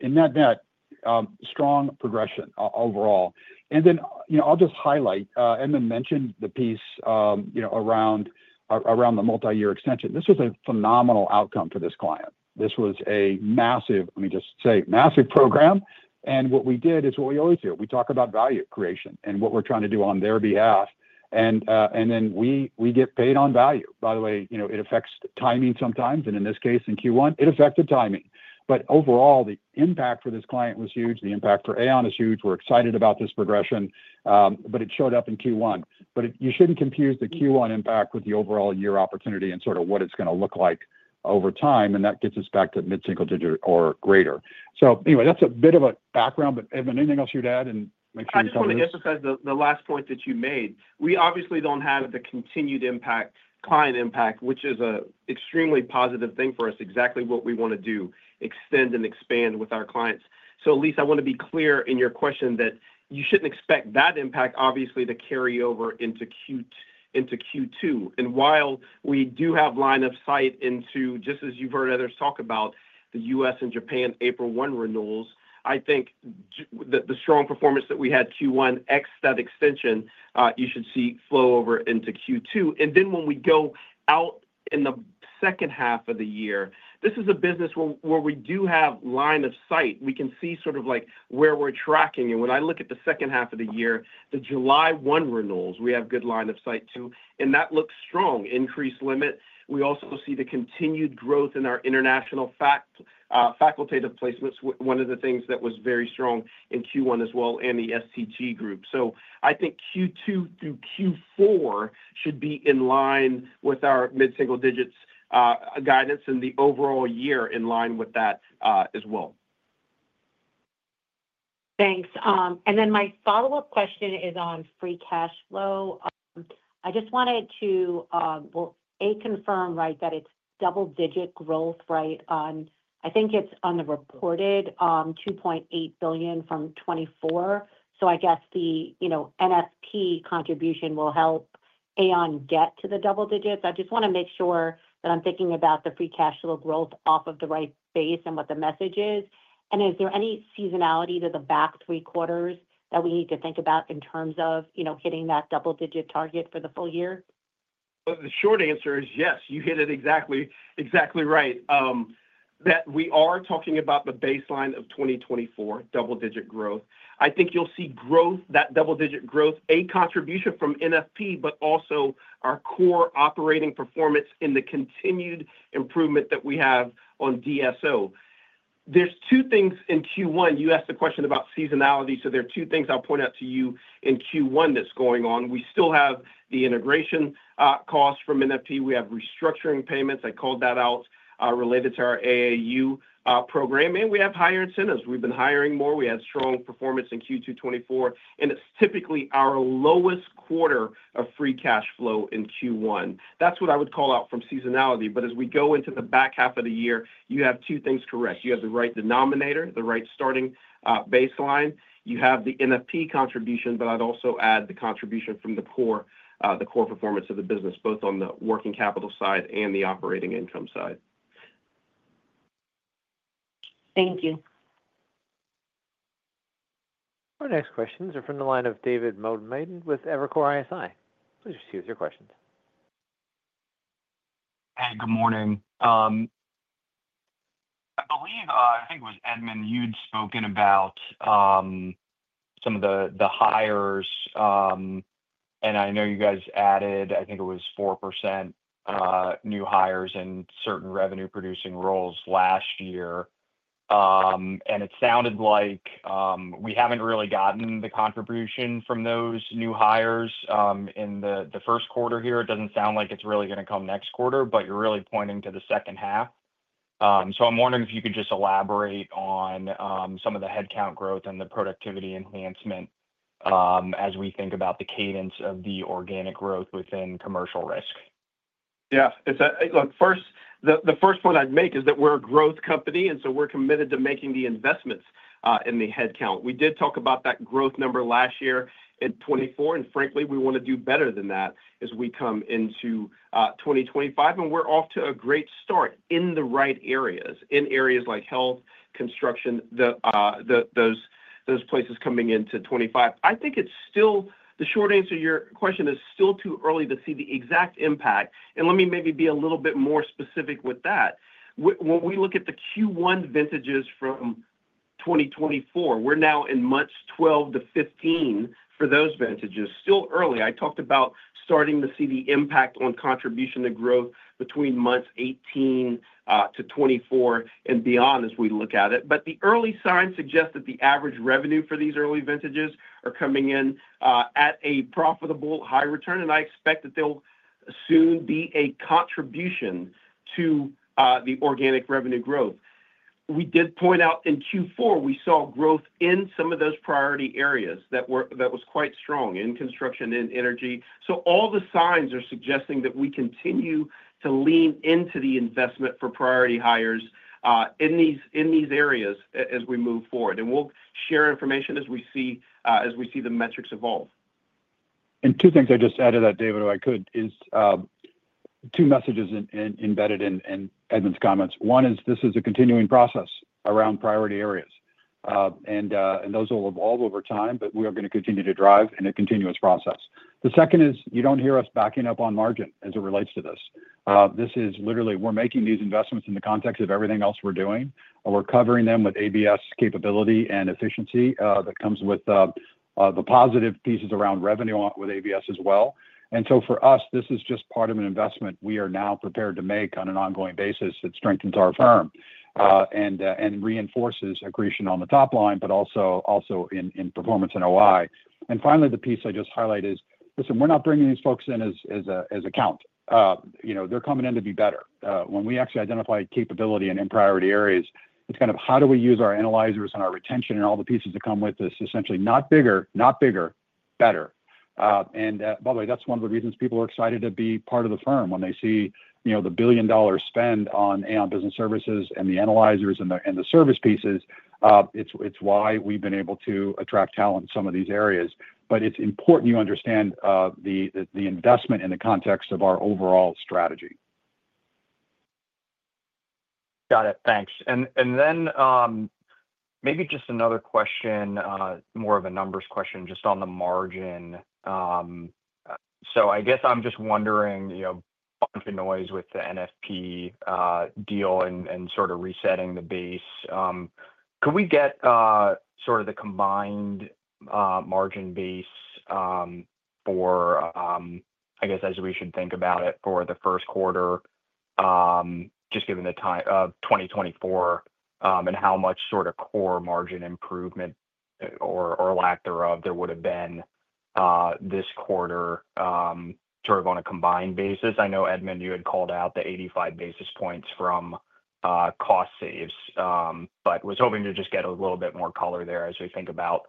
In net-net, strong progression overall. I'll just highlight, Edmund mentioned the piece around the multi-year extension. This was a phenomenal outcome for this client. This was a massive, let me just say, massive program. What we did is what we always do. We talk about value creation and what we're trying to do on their behalf. We get paid on value. By the way, it affects timing sometimes. In this case, in Q1, it affected timing. Overall, the impact for this client was huge. The impact for Aon is huge. We're excited about this progression, but it showed up in Q1. You shouldn't confuse the Q1 impact with the overall year opportunity and sort of what it's going to look like over time. That gets us back to mid-single digit or greater. That's a bit of a background. Edmund, anything else you'd add and make sure you covered? I just want to emphasize the last point that you made. We obviously don't have the continued impact, client impact, which is an extremely positive thing for us, exactly what we want to do, extend and expand with our clients. Elyse, I want to be clear in your question that you shouldn't expect that impact, obviously, to carry over into Q2. While we do have line of sight into, just as you've heard others talk about, the US and Japan April 1 renewals, I think the strong performance that we had Q1, ex that extension, you should see flow over into Q2. When we go out in the second half of the year, this is a business where we do have line of sight. We can see sort of where we're tracking. When I look at the second half of the year, the July 1 renewals, we have good line of sight too. That looks strong, increased limit. We also see the continued growth in our international facultative placements, one of the things that was very strong in Q1 as well, and the STT group. I think Q2 through Q4 should be in line with our mid-single digits guidance and the overall year in line with that as well. Thanks. My follow-up question is on free cash flow. I just wanted to, A, confirm, right, that it's double-digit growth, right? I think it's on the reported $2.8 billion from 2024. I guess the NFP contribution will help Aon get to the double digits. I just want to make sure that I'm thinking about the free cash flow growth off of the right base and what the message is. Is there any seasonality to the back three quarters that we need to think about in terms of hitting that double-digit target for the full year? The short answer is yes. You hit it exactly right that we are talking about the baseline of 2024 double-digit growth. I think you'll see growth, that double-digit growth, a contribution from NFP, but also our core operating performance in the continued improvement that we have on DSO. There are two things in Q1. You asked the question about seasonality. There are two things I'll point out to you in Q1 that's going on. We still have the integration costs from NFP. We have restructuring payments. I called that out related to our AAU program. We have higher incentives. We've been hiring more. We had strong performance in Q2 2024. It is typically our lowest quarter of free cash flow in Q1. That is what I would call out from seasonality. As we go into the back half of the year, you have two things correct. You have the right denominator, the right starting baseline. You have the NFP contribution, but I would also add the contribution from the core performance of the business, both on the working capital side and the operating income side. Thank you. Our next questions are from the line of David Motemaden with Evercore ISI. Please proceed with your questions. Hey, good morning. I think it was Edmund, you had spoken about some of the hires. I know you guys added, I think it was 4% new hires in certain revenue-producing roles last year. It sounded like we have not really gotten the contribution from those new hires in the first quarter here. It does not sound like it is really going to come next quarter, but you are really pointing to the second half. I am wondering if you could just elaborate on some of the headcount growth and the productivity enhancement as we think about the cadence of the organic growth within commercial risk. Yeah. Look, the first point I would make is that we are a growth company, and we are committed to making the investments in the headcount. We did talk about that growth number last year in 2024, and frankly, we want to do better than that as we come into 2025. We are off to a great start in the right areas, in areas like health, construction, those places coming into 2025. I think the short answer to your question is it is still too early to see the exact impact. Let me maybe be a little bit more specific with that. When we look at the Q1 vintages from 2024, we're now in months 12-15 for those vintages. Still early. I talked about starting to see the impact on contribution to growth between months 18-24 and beyond as we look at it. The early signs suggest that the average revenue for these early vintages are coming in at a profitable high return. I expect that there'll soon be a contribution to the organic revenue growth. We did point out in Q4, we saw growth in some of those priority areas that was quite strong in construction, in energy. All the signs are suggesting that we continue to lean into the investment for priority hires in these areas as we move forward. We'll share information as we see the metrics evolve. Two things I just added that, David, if I could, are two messages embedded in Edmund's comments. One is this is a continuing process around priority areas. Those will evolve over time, but we are going to continue to drive in a continuous process. The second is you do not hear us backing up on margin as it relates to this. This is literally, we are making these investments in the context of everything else we are doing. We are covering them with ABS capability and efficiency that comes with the positive pieces around revenue with ABS as well. For us, this is just part of an investment we are now prepared to make on an ongoing basis that strengthens our firm and reinforces accretion on the top line, but also in performance and OI. Finally, the piece I just highlighted is, listen, we're not bringing these folks in as account. They're coming in to be better. When we actually identify capability and in priority areas, it's kind of how do we use our analyzers and our retention and all the pieces that come with this is essentially not bigger, not bigger, better. By the way, that's one of the reasons people are excited to be part of the firm when they see the billion-dollar spend on Aon Business Services and the analyzers and the service pieces. It's why we've been able to attract talent in some of these areas. It's important you understand the investment in the context of our overall strategy. Got it. Thanks. Maybe just another question, more of a numbers question, just on the margin. I guess I'm just wondering, a bunch of noise with the NFP deal and sort of resetting the base. Could we get sort of the combined margin base for, I guess, as we should think about it for the first quarter, just given the time of 2024, and how much sort of core margin improvement or lack thereof there would have been this quarter sort of on a combined basis? I know, Edmund, you had called out the 85 basis points from cost saves, but was hoping to just get a little bit more color there as we think about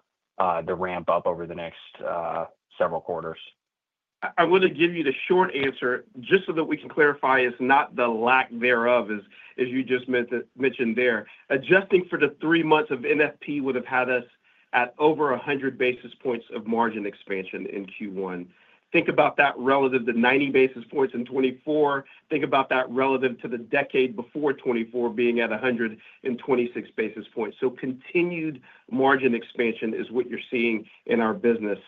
the ramp up over the next several quarters. I want to give you the short answer just so that we can clarify it's not the lack thereof, as you just mentioned there. Adjusting for the three months of NFP would have had us at over 100 basis points of margin expansion in Q1. Think about that relative to 90 basis points in 2024. Think about that relative to the decade before 2024 being at 126 basis points. Continued margin expansion is what you're seeing in our business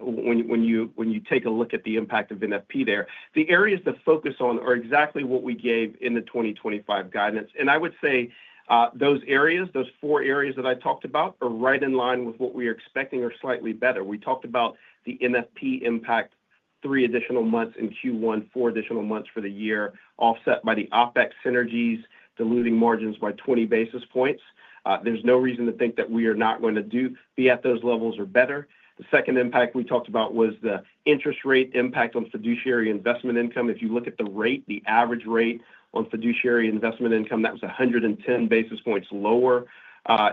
when you take a look at the impact of NFP there. The areas to focus on are exactly what we gave in the 2025 guidance. I would say those areas, those four areas that I talked about are right in line with what we are expecting or slightly better. We talked about the NFP impact, three additional months in Q1, four additional months for the year, offset by the OpEx synergies, diluting margins by 20 basis points. There's no reason to think that we are not going to be at those levels or better. The second impact we talked about was the interest rate impact on fiduciary investment income. If you look at the rate, the average rate on fiduciary investment income, that was 110 basis points lower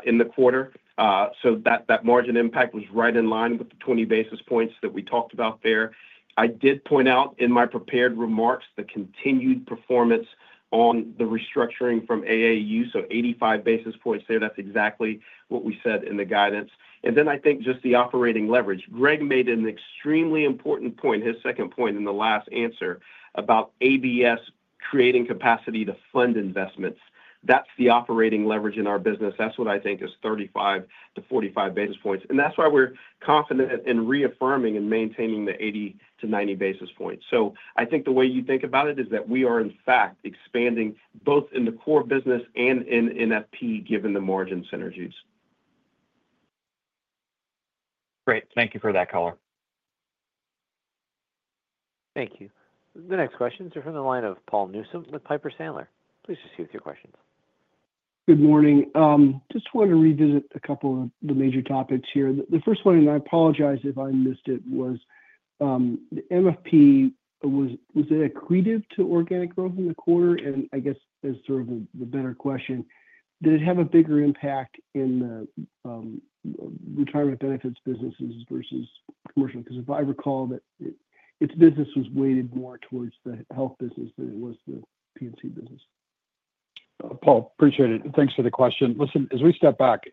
in the quarter. That margin impact was right in line with the 20 basis points that we talked about there. I did point out in my prepared remarks the continued performance on the restructuring from AAU, so 85 basis points there. That is exactly what we said in the guidance. I think just the operating leverage. Greg made an extremely important point, his second point in the last answer about ABS creating capacity to fund investments. That is the operating leverage in our business. That is what I think is 35-45 basis points. That is why we're confident in reaffirming and maintaining the 80-90 basis points. I think the way you think about it is that we are, in fact, expanding both in the core business and in NFP given the margin synergies. Great. Thank you for that, Coller. Thank you. The next questions are from the line of Paul Newsom with Piper Sandler. Please proceed with your questions. Good morning. Just wanted to revisit a couple of the major topics here. The first one, and I apologize if I missed it, was the NFP, was it accretive to organic growth in the quarter? I guess as sort of the better question, did it have a bigger impact in the retirement benefits businesses versus commercial? Because if I recall, its business was weighted more towards the health business than it was the P&C business. Paul, appreciate it. Thanks for the question. Listen, as we step back,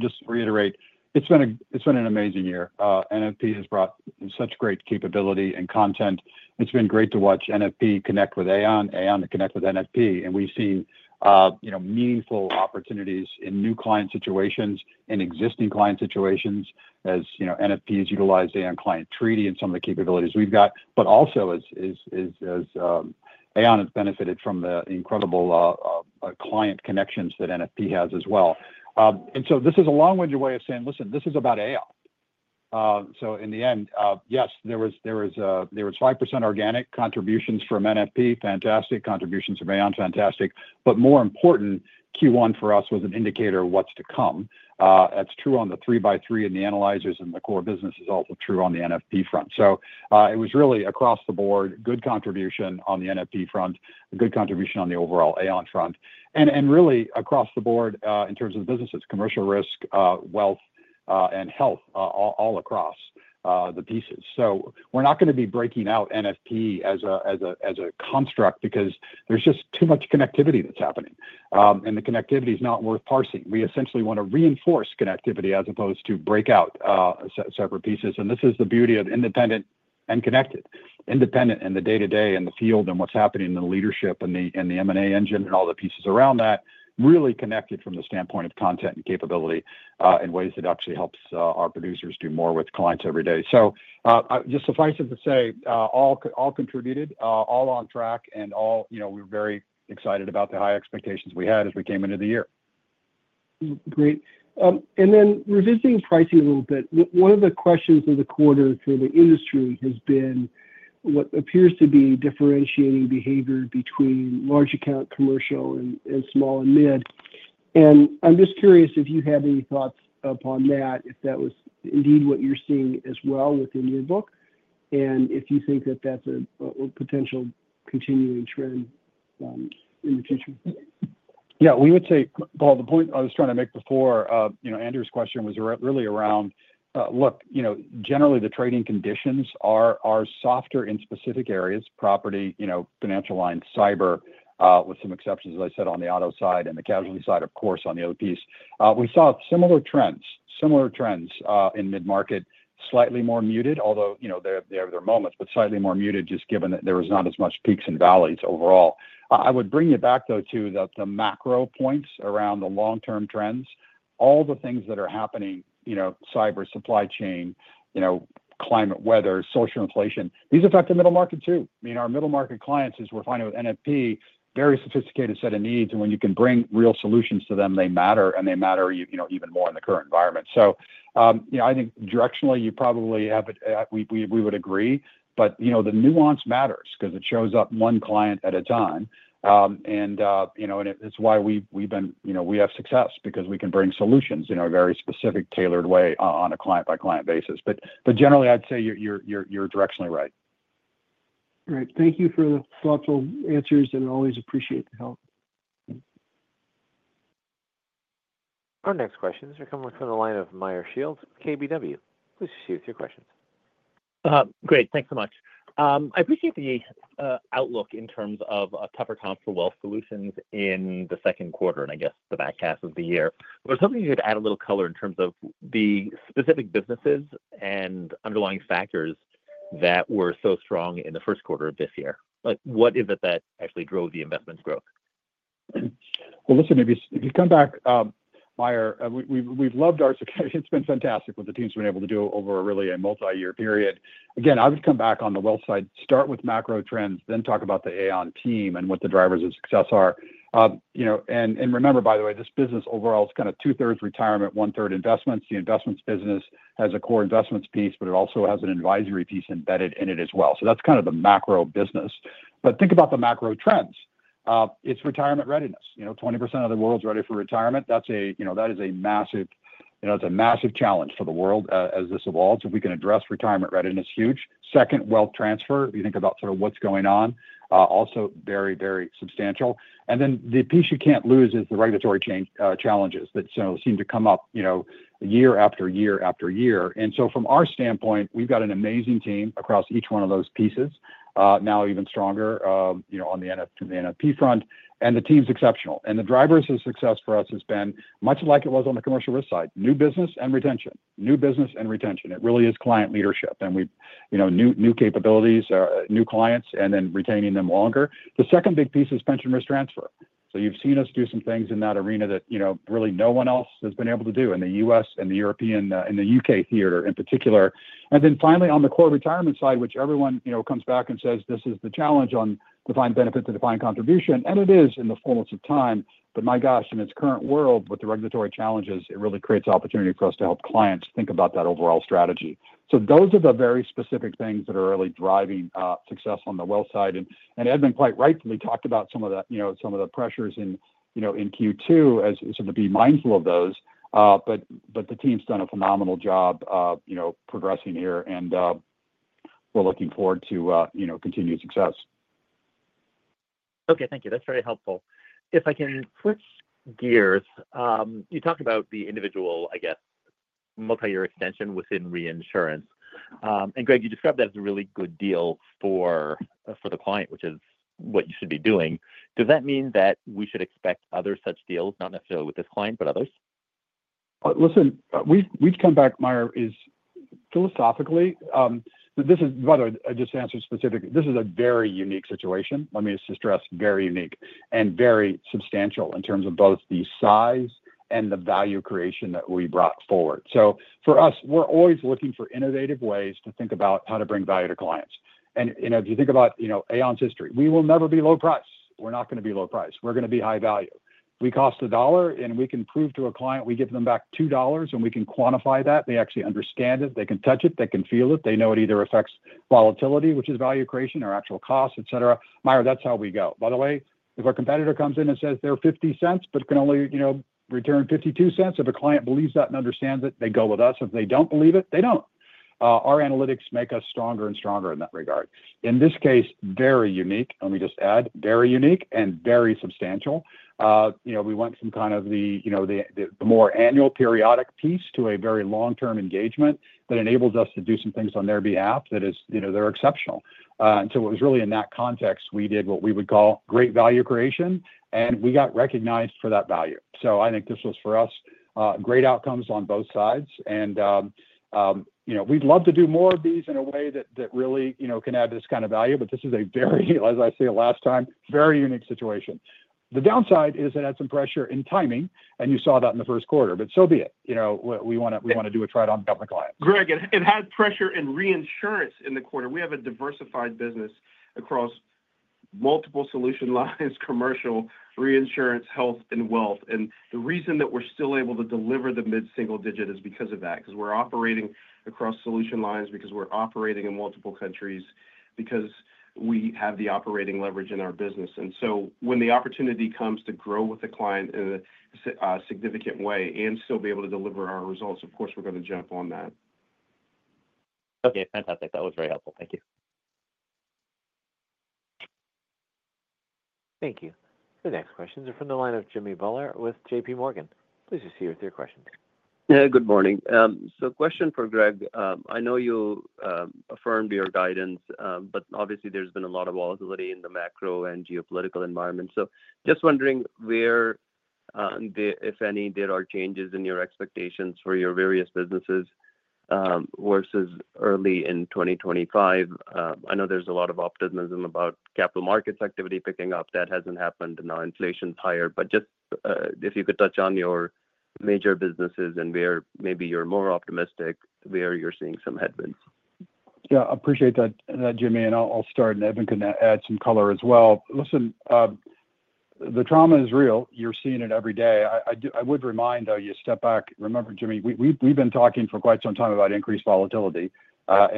just to reiterate, it's been an amazing year. NFP has brought such great capability and content. It's been great to watch NFP connect with Aon, Aon to connect with NFP. We have seen meaningful opportunities in new client situations, in existing client situations, as NFP has utilized Aon Client Treaty and some of the capabilities we've got. Also, Aon has benefited from the incredible client connections that NFP has as well. This is a long-winded way of saying, listen, this is about Aon. In the end, yes, there was 5% organic contributions from NFP, fantastic. Contributions from Aon, fantastic. More important, Q1 for us was an indicator of what's to come. That's true on the 3x3 and the analyzers and the core business, and it is also true on the NFP front. It was really across the board, good contribution on the NFP front, good contribution on the overall Aon front. Really, across the board in terms of businesses, commercial risk, wealth, and health, all across the pieces. We're not going to be breaking out NFP as a construct because there's just too much connectivity that's happening. The connectivity is not worth parsing. We essentially want to reinforce connectivity as opposed to break out separate pieces. This is the beauty of independent and connected. Independent in the day-to-day and the field and what's happening in the leadership and the M&A engine and all the pieces around that, really connected from the standpoint of content and capability in ways that actually helps our producers do more with clients every day. Just suffice it to say, all contributed, all on track, and we were very excited about the high expectations we had as we came into the year. Great.Revisiting pricing a little bit, one of the questions of the quarter for the industry has been what appears to be differentiating behavior between large account commercial and small and mid. I am just curious if you had any thoughts upon that, if that was indeed what you are seeing as well within your book, and if you think that is a potential continuing trend in the future. Yeah. Paul, the point I was trying to make before, Andrew's question was really around, look, generally, the trading conditions are softer in specific areas, property, financial line, cyber, with some exceptions, as I said, on the auto side and the casualty side, of course, on the other piece. We saw similar trends, similar trends in mid-market, slightly more muted, although there are moments, but slightly more muted just given that there were not as much peaks and valleys overall. I would bring you back, though, to the macro points around the long-term trends. All the things that are happening, cyber, supply chain, climate, weather, social inflation, these affect the middle market too. I mean, our middle market clients, as we're finding with NFP, very sophisticated set of needs. And when you can bring real solutions to them, they matter, and they matter even more in the current environment. I think directionally, you probably have it, we would agree. The nuance matters because it shows up one client at a time. It is why we have success, because we can bring solutions in a very specific, tailored way on a client-by-client basis. Generally, I'd say you're directionally right. Great. Thank you for the thoughtful answers, and I always appreciate the help. Our next questions are coming from the line of Meyer Shields, KBW. Please proceed with your questions. Great. Thanks so much. I appreciate the outlook in terms of tougher comp for wealth solutions in the second quarter and, I guess, the back half of the year. I was hoping you could add a little color in terms of the specific businesses and underlying factors that were so strong in the first quarter of this year. What is it that actually drove the investment growth? Listen, if you come back, Meyer, we've loved our survey. It's been fantastic what the teams have been able to do over really a multi-year period. Again, I would come back on the wealth side, start with macro trends, then talk about the Aon team and what the drivers of success are. Remember, by the way, this business overall is kind of two-thirds retirement, one-third investments. The investments business has a core investments piece, but it also has an advisory piece embedded in it as well. That is kind of the macro business. Think about the macro trends. It is retirement readiness. 20% of the world is ready for retirement. That is a massive challenge for the world as this evolves. If we can address retirement readiness, huge. Second, wealth transfer, if you think about sort of what is going on, also very, very substantial. The piece you cannot lose is the regulatory challenges that seem to come up year after year after year. From our standpoint, we've got an amazing team across each one of those pieces, now even stronger on the NFP front. The team's exceptional. The drivers of success for us have been much like it was on the commercial risk side: new business and retention. New business and retention. It really is client leadership and new capabilities, new clients, and then retaining them longer. The second big piece is pension risk transfer. You've seen us do some things in that arena that really no one else has been able to do in the U.S. and the European and the U.K. theater in particular. Finally, on the core retirement side, everyone comes back and says, "This is the challenge on defined benefit to defined contribution." It is in the fullness of time. My gosh, in its current world, with the regulatory challenges, it really creates opportunity for us to help clients think about that overall strategy. Those are the very specific things that are really driving success on the wealth side. Edmund quite rightfully talked about some of the pressures in Q2, so to be mindful of those. The team's done a phenomenal job progressing here, and we're looking forward to continued success. Okay. Thank you. That's very helpful. If I can switch gears, you talked about the individual, I guess, multi-year extension within reinsurance. Greg, you described that as a really good deal for the client, which is what you should be doing. Does that mean that we should expect other such deals, not necessarily with this client, but others? Listen, we've come back, Meyer, philosophically this is, by the way, I just answered specifically. This is a very unique situation. Let me just stress, very unique and very substantial in terms of both the size and the value creation that we brought forward. For us, we're always looking for innovative ways to think about how to bring value to clients. If you think about Aon's history, we will never be low price. We're not going to be low price. We're going to be high value. We cost a dollar, and we can prove to a client we give them back $2, and we can quantify that. They actually understand it. They can touch it. They can feel it. They know it either affects volatility, which is value creation, or actual cost, etc. Meyer, that's how we go. By the way, if a competitor comes in and says they're $0.50 but can only return $0.52, if a client believes that and understands it, they go with us. If they don't believe it, they don't. Our analytics make us stronger and stronger in that regard. In this case, very unique, let me just add, very unique and very substantial. We went from kind of the more annual periodic piece to a very long-term engagement that enables us to do some things on their behalf that are exceptional. It was really in that context we did what we would call great value creation, and we got recognized for that value. I think this was, for us, great outcomes on both sides. We'd love to do more of these in a way that really can add this kind of value, but this is a very, as I said last time, very unique situation. The downside is it had some pressure in timing, and you saw that in the first quarter, but so be it. We want to do a try to unravel the client. Greg, it had pressure in reinsurance in the quarter. We have a diversified business across multiple solution lines: commercial, reinsurance, health, and wealth. The reason that we're still able to deliver the mid-single digit is because of that, because we're operating across solution lines, because we're operating in multiple countries, because we have the operating leverage in our business. When the opportunity comes to grow with the client in a significant way and still be able to deliver our results, of course, we're going to jump on that. Okay. Fantastic. That was very helpful. Thank you. Thank you. The next questions are from the line of Jimmy Voeller with JPMorgan. Please proceed with your questions. Good morning. Question for Greg. I know you affirmed your guidance, but obviously, there's been a lot of volatility in the macro and geopolitical environment. Just wondering where, if any, there are changes in your expectations for your various businesses versus early in 2025. I know there's a lot of optimism about capital markets activity picking up. That hasn't happened. Now inflation's higher. If you could touch on your major businesses and where maybe you're more optimistic, where you're seeing some headwinds. Yeah. I appreciate that, Jimmy. I'll start, and Edmund can add some color as well. Listen, the trauma is real. You're seeing it every day. I would remind, though, you step back. Remember, Jimmy, we've been talking for quite some time about increased volatility.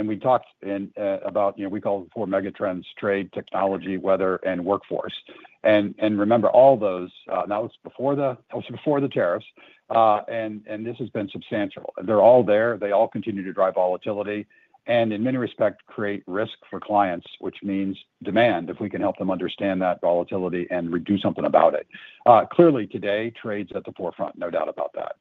We talked about, we call it the four megatrends: trade, technology, weather, and workforce. Remember, all those, that was before the tariffs. This has been substantial. They're all there. They all continue to drive volatility and, in many respects, create risk for clients, which means demand, if we can help them understand that volatility and do something about it. Clearly, today, trade's at the forefront, no doubt about that.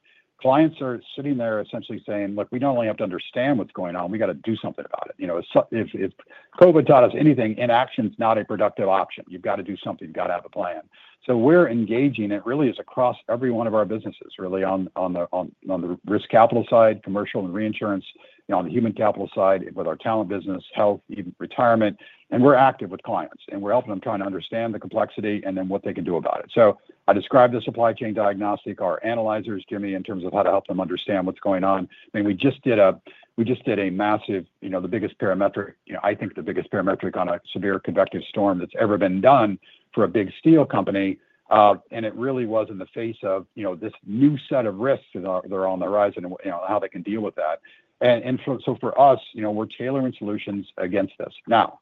Clients are sitting there essentially saying, "Look, we not only have to understand what's going on, we got to do something about it." If COVID taught us anything, inaction's not a productive option. You've got to do something. You've got to have a plan. We're engaging, and it really is across every one of our businesses, really, on the risk capital side, commercial and reinsurance, on the human capital side, with our talent business, health, even retirement. We're active with clients, and we're helping them try to understand the complexity and then what they can do about it. I described the supply chain diagnostic, our analyzers, Jimmy, in terms of how to help them understand what's going on. I mean, we just did a massive, the biggest parametric, I think the biggest parametric on a severe convective storm that's ever been done for a big steel company. It really was in the face of this new set of risks that are on the horizon and how they can deal with that. For us, we're tailoring solutions against this. Now,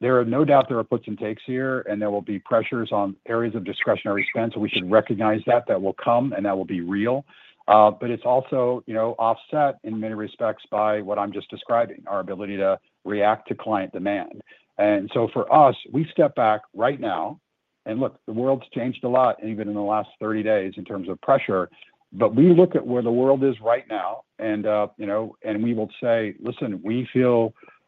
there are no doubt there are puts and takes here, and there will be pressures on areas of discretionary spend. We should recognize that that will come and that will be real. It is also offset in many respects by what I'm just describing, our ability to react to client demand. For us, we step back right now. Look, the world's changed a lot, even in the last 30 days in terms of pressure. We look at where the world is right now, and we will say, "Listen, we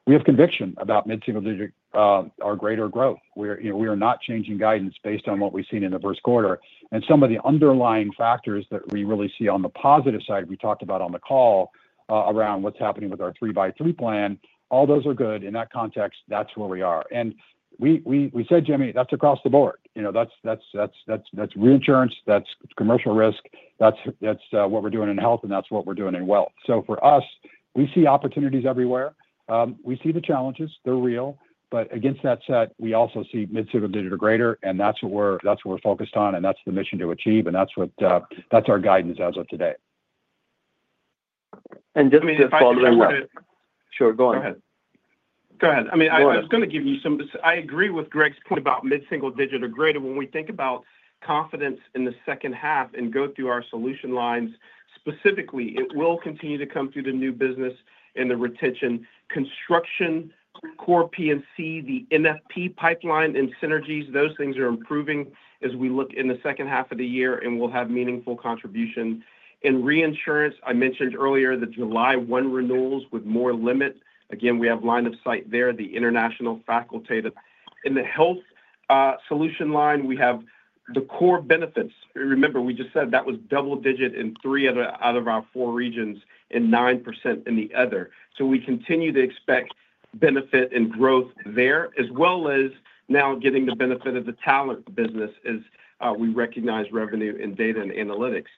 have conviction about mid-single digit, our greater growth. We are not changing guidance based on what we've seen in the first quarter." Some of the underlying factors that we really see on the positive side, we talked about on the call around what's happening with our 3x3 plan, all those are good. In that context, that's where we are. We said, "Jimmy, that's across the board. That's reinsurance. That's commercial risk. That's what we're doing in health, and that's what we're doing in wealth." For us, we see opportunities everywhere. We see the challenges. They're real. Against that set, we also see mid-single digit or greater. That's what we're focused on, and that's the mission to achieve, and that's our guidance as of today. Jimmy just followed up. Sure. Go on. Go ahead. Go ahead. I mean, I was going to give you some—I agree with Greg's point about mid-single digit or greater. When we think about confidence in the second half and go through our solution lines, specifically, it will continue to come through the new business and the retention. Construction, core P&C, the NFP pipeline and synergies, those things are improving as we look in the second half of the year, and we'll have meaningful contribution. In reinsurance, I mentioned earlier the July 1 renewals with more limit. Again, we have line of sight there, the international faculty. In the health solution line, we have the core benefits. Remember, we just said that was double-digit in three out of our four regions and 9% in the other. We continue to expect benefit and growth there, as well as now getting the benefit of the talent business as we recognize revenue in data and analytics.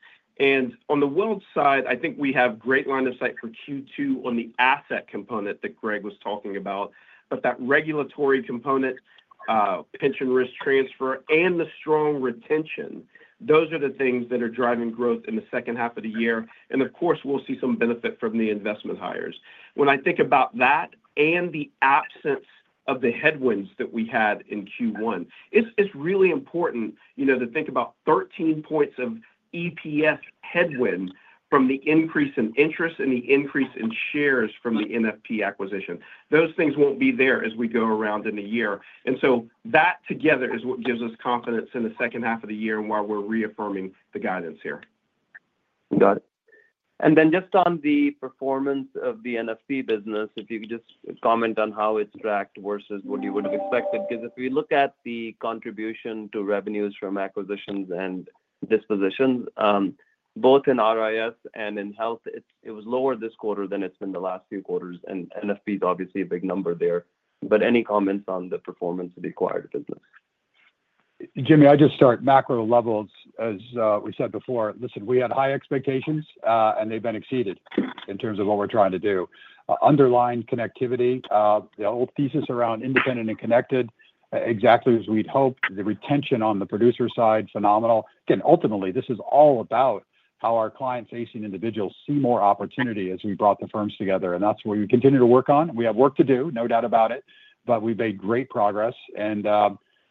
On the wealth side, I think we have great line of sight for Q2 on the asset component that Greg was talking about. That regulatory component, pension risk transfer, and the strong retention, those are the things that are driving growth in the second half of the year. Of course, we'll see some benefit from the investment hires. When I think about that and the absence of the headwinds that we had in Q1, it's really important to think about 13 points of EPS headwind from the increase in interest and the increase in shares from the NFP acquisition. Those things won't be there as we go around in the year. That together is what gives us confidence in the second half of the year and why we're reaffirming the guidance here. Got it. Just on the performance of the NFP business, if you could just comment on how it's tracked versus what you would have expected. Because if we look at the contribution to revenues from acquisitions and dispositions, both in RIS and in health, it was lower this quarter than it's been the last few quarters. NFP is obviously a big number there. Any comments on the performance of the acquired business? Jimmy, I'll just start macro levels. As we said before, listen, we had high expectations, and they've been exceeded in terms of what we're trying to do. Underlying connectivity, the old thesis around independent and connected, exactly as we'd hoped. The retention on the producer side, phenomenal. Again, ultimately, this is all about how our client-facing individuals see more opportunity as we brought the firms together. That is what we continue to work on. We have work to do, no doubt about it. We have made great progress.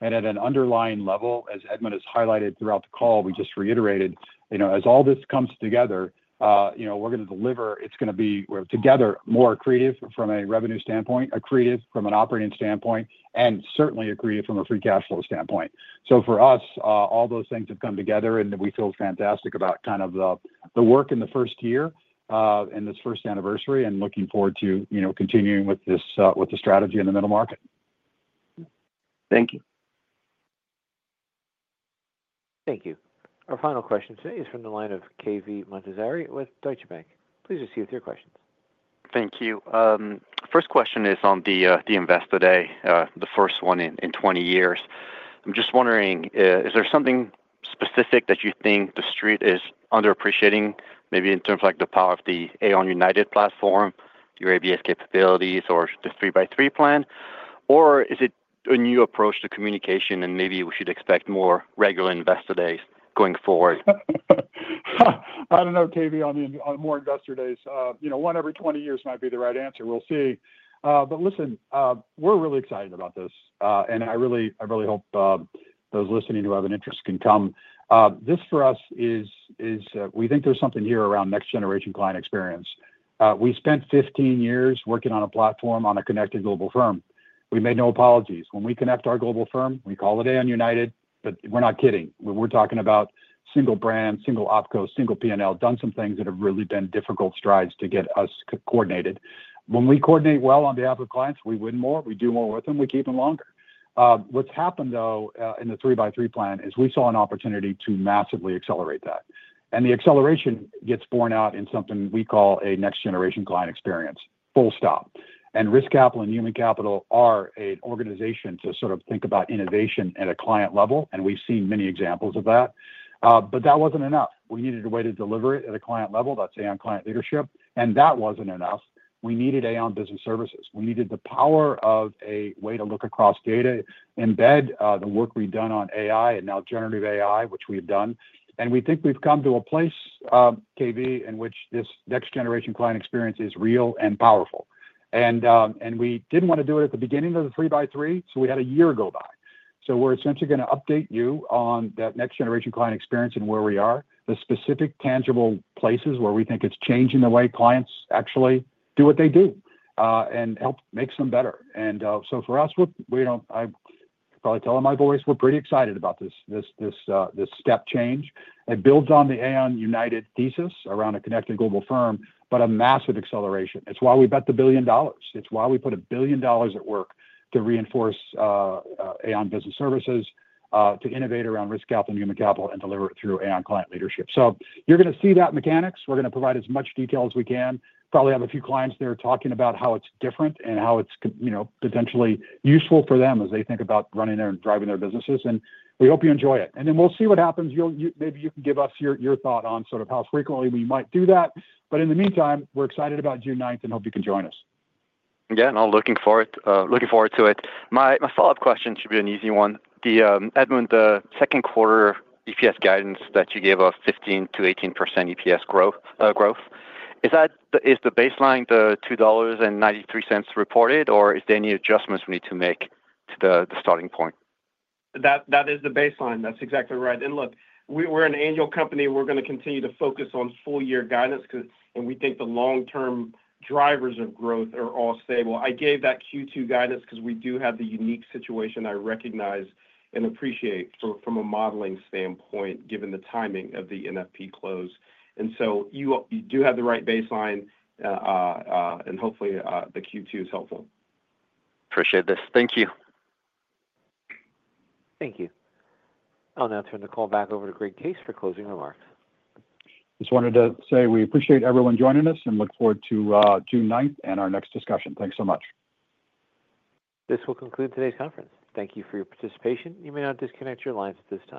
At an underlying level, as Edmund has highlighted throughout the call, we just reiterated, as all this comes together, we're going to deliver. It's going to be together more creative from a revenue standpoint, accretive from an operating standpoint, and certainly accretive from a free cash flow standpoint. For us, all those things have come together, and we feel fantastic about kind of the work in the first year and this first anniversary and looking forward to continuing with the strategy in the middle market. Thank you. Thank you. Our final question today is from the line of Cave Montazari with Deutsche Bank. Please proceed with your questions. Thank you. First question is on the investor day, the first one in 20 years. I'm just wondering, is there something specific that you think the street is underappreciating, maybe in terms of the power of the Aon United platform, your ABS capabilities, or the three-by-three plan? Or is it a new approach to communication, and maybe we should expect more regular investor days going forward? I don't know, Cave, on more investor days. One every 20 years might be the right answer. We'll see. Listen, we're really excited about this. I really hope those listening who have an interest can come. This for us is we think there's something here around next-generation client experience. We spent 15 years working on a platform on a connected global firm. We made no apologies. When we connect our global firm, we call it Aon United, but we're not kidding. We're talking about single brand, single OpCo, single P and L, done some things that have really been difficult strides to get us coordinated. When we coordinate well on behalf of clients, we win more. We do more with them. We keep them longer. What has happened, though, in the 3x3 plan is we saw an opportunity to massively accelerate that. The acceleration gets borne out in something we call a next-generation client experience. Full stop. Risk Capital and Human Capital are an organization to sort of think about innovation at a client level, and we've seen many examples of that. That was not enough. We needed a way to deliver it at a client level. That is Aon client leadership. That was not enough. We needed Aon Business Services. We needed the power of a way to look across data, embed the work we've done on AI and now generative AI, which we've done. We think we've come to a place, Cave, in which this next-generation client experience is real and powerful. We didn't want to do it at the beginning of the three-by-three, so we had a year go by. We are essentially going to update you on that next-generation client experience and where we are, the specific tangible places where we think it's changing the way clients actually do what they do and help make some better. For us, I'll probably tell it in my voice, we're pretty excited about this step change. It builds on the Aon United thesis around a connected global firm, but a massive acceleration. It's why we bet the billion dollars. It's why we put a billion dollars at work to reinforce Aon Business Services, to innovate around Risk Capital and Human Capital and deliver it through Aon client leadership. You're going to see that mechanics. We're going to provide as much detail as we can. Probably have a few clients there talking about how it's different and how it's potentially useful for them as they think about running their and driving their businesses. We hope you enjoy it. We'll see what happens. Maybe you can give us your thought on sort of how frequently we might do that. In the meantime, we're excited about June 9th and hope you can join us. Yeah. I'm looking forward to it. My follow-up question should be an easy one. Edmund, the second quarter EPS guidance that you gave us, 15%-18% EPS growth, is the baseline the $2.93 reported, or is there any adjustments we need to make to the starting point? That is the baseline. That's exactly right. Look, we're an annual company. We're going to continue to focus on full-year guidance, and we think the long-term drivers of growth are all stable. I gave that Q2 guidance because we do have the unique situation I recognize and appreciate from a modeling standpoint, given the timing of the NFP close. You do have the right baseline, and hopefully, the Q2 is helpful. Appreciate this. Thank you. Thank you. I'll now turn the call back over to Greg Case for closing remarks. Just wanted to say we appreciate everyone joining us and look forward to June 9 and our next discussion. Thanks so much. This will conclude today's conference. Thank you for your participation. You may now disconnect your lines at this time.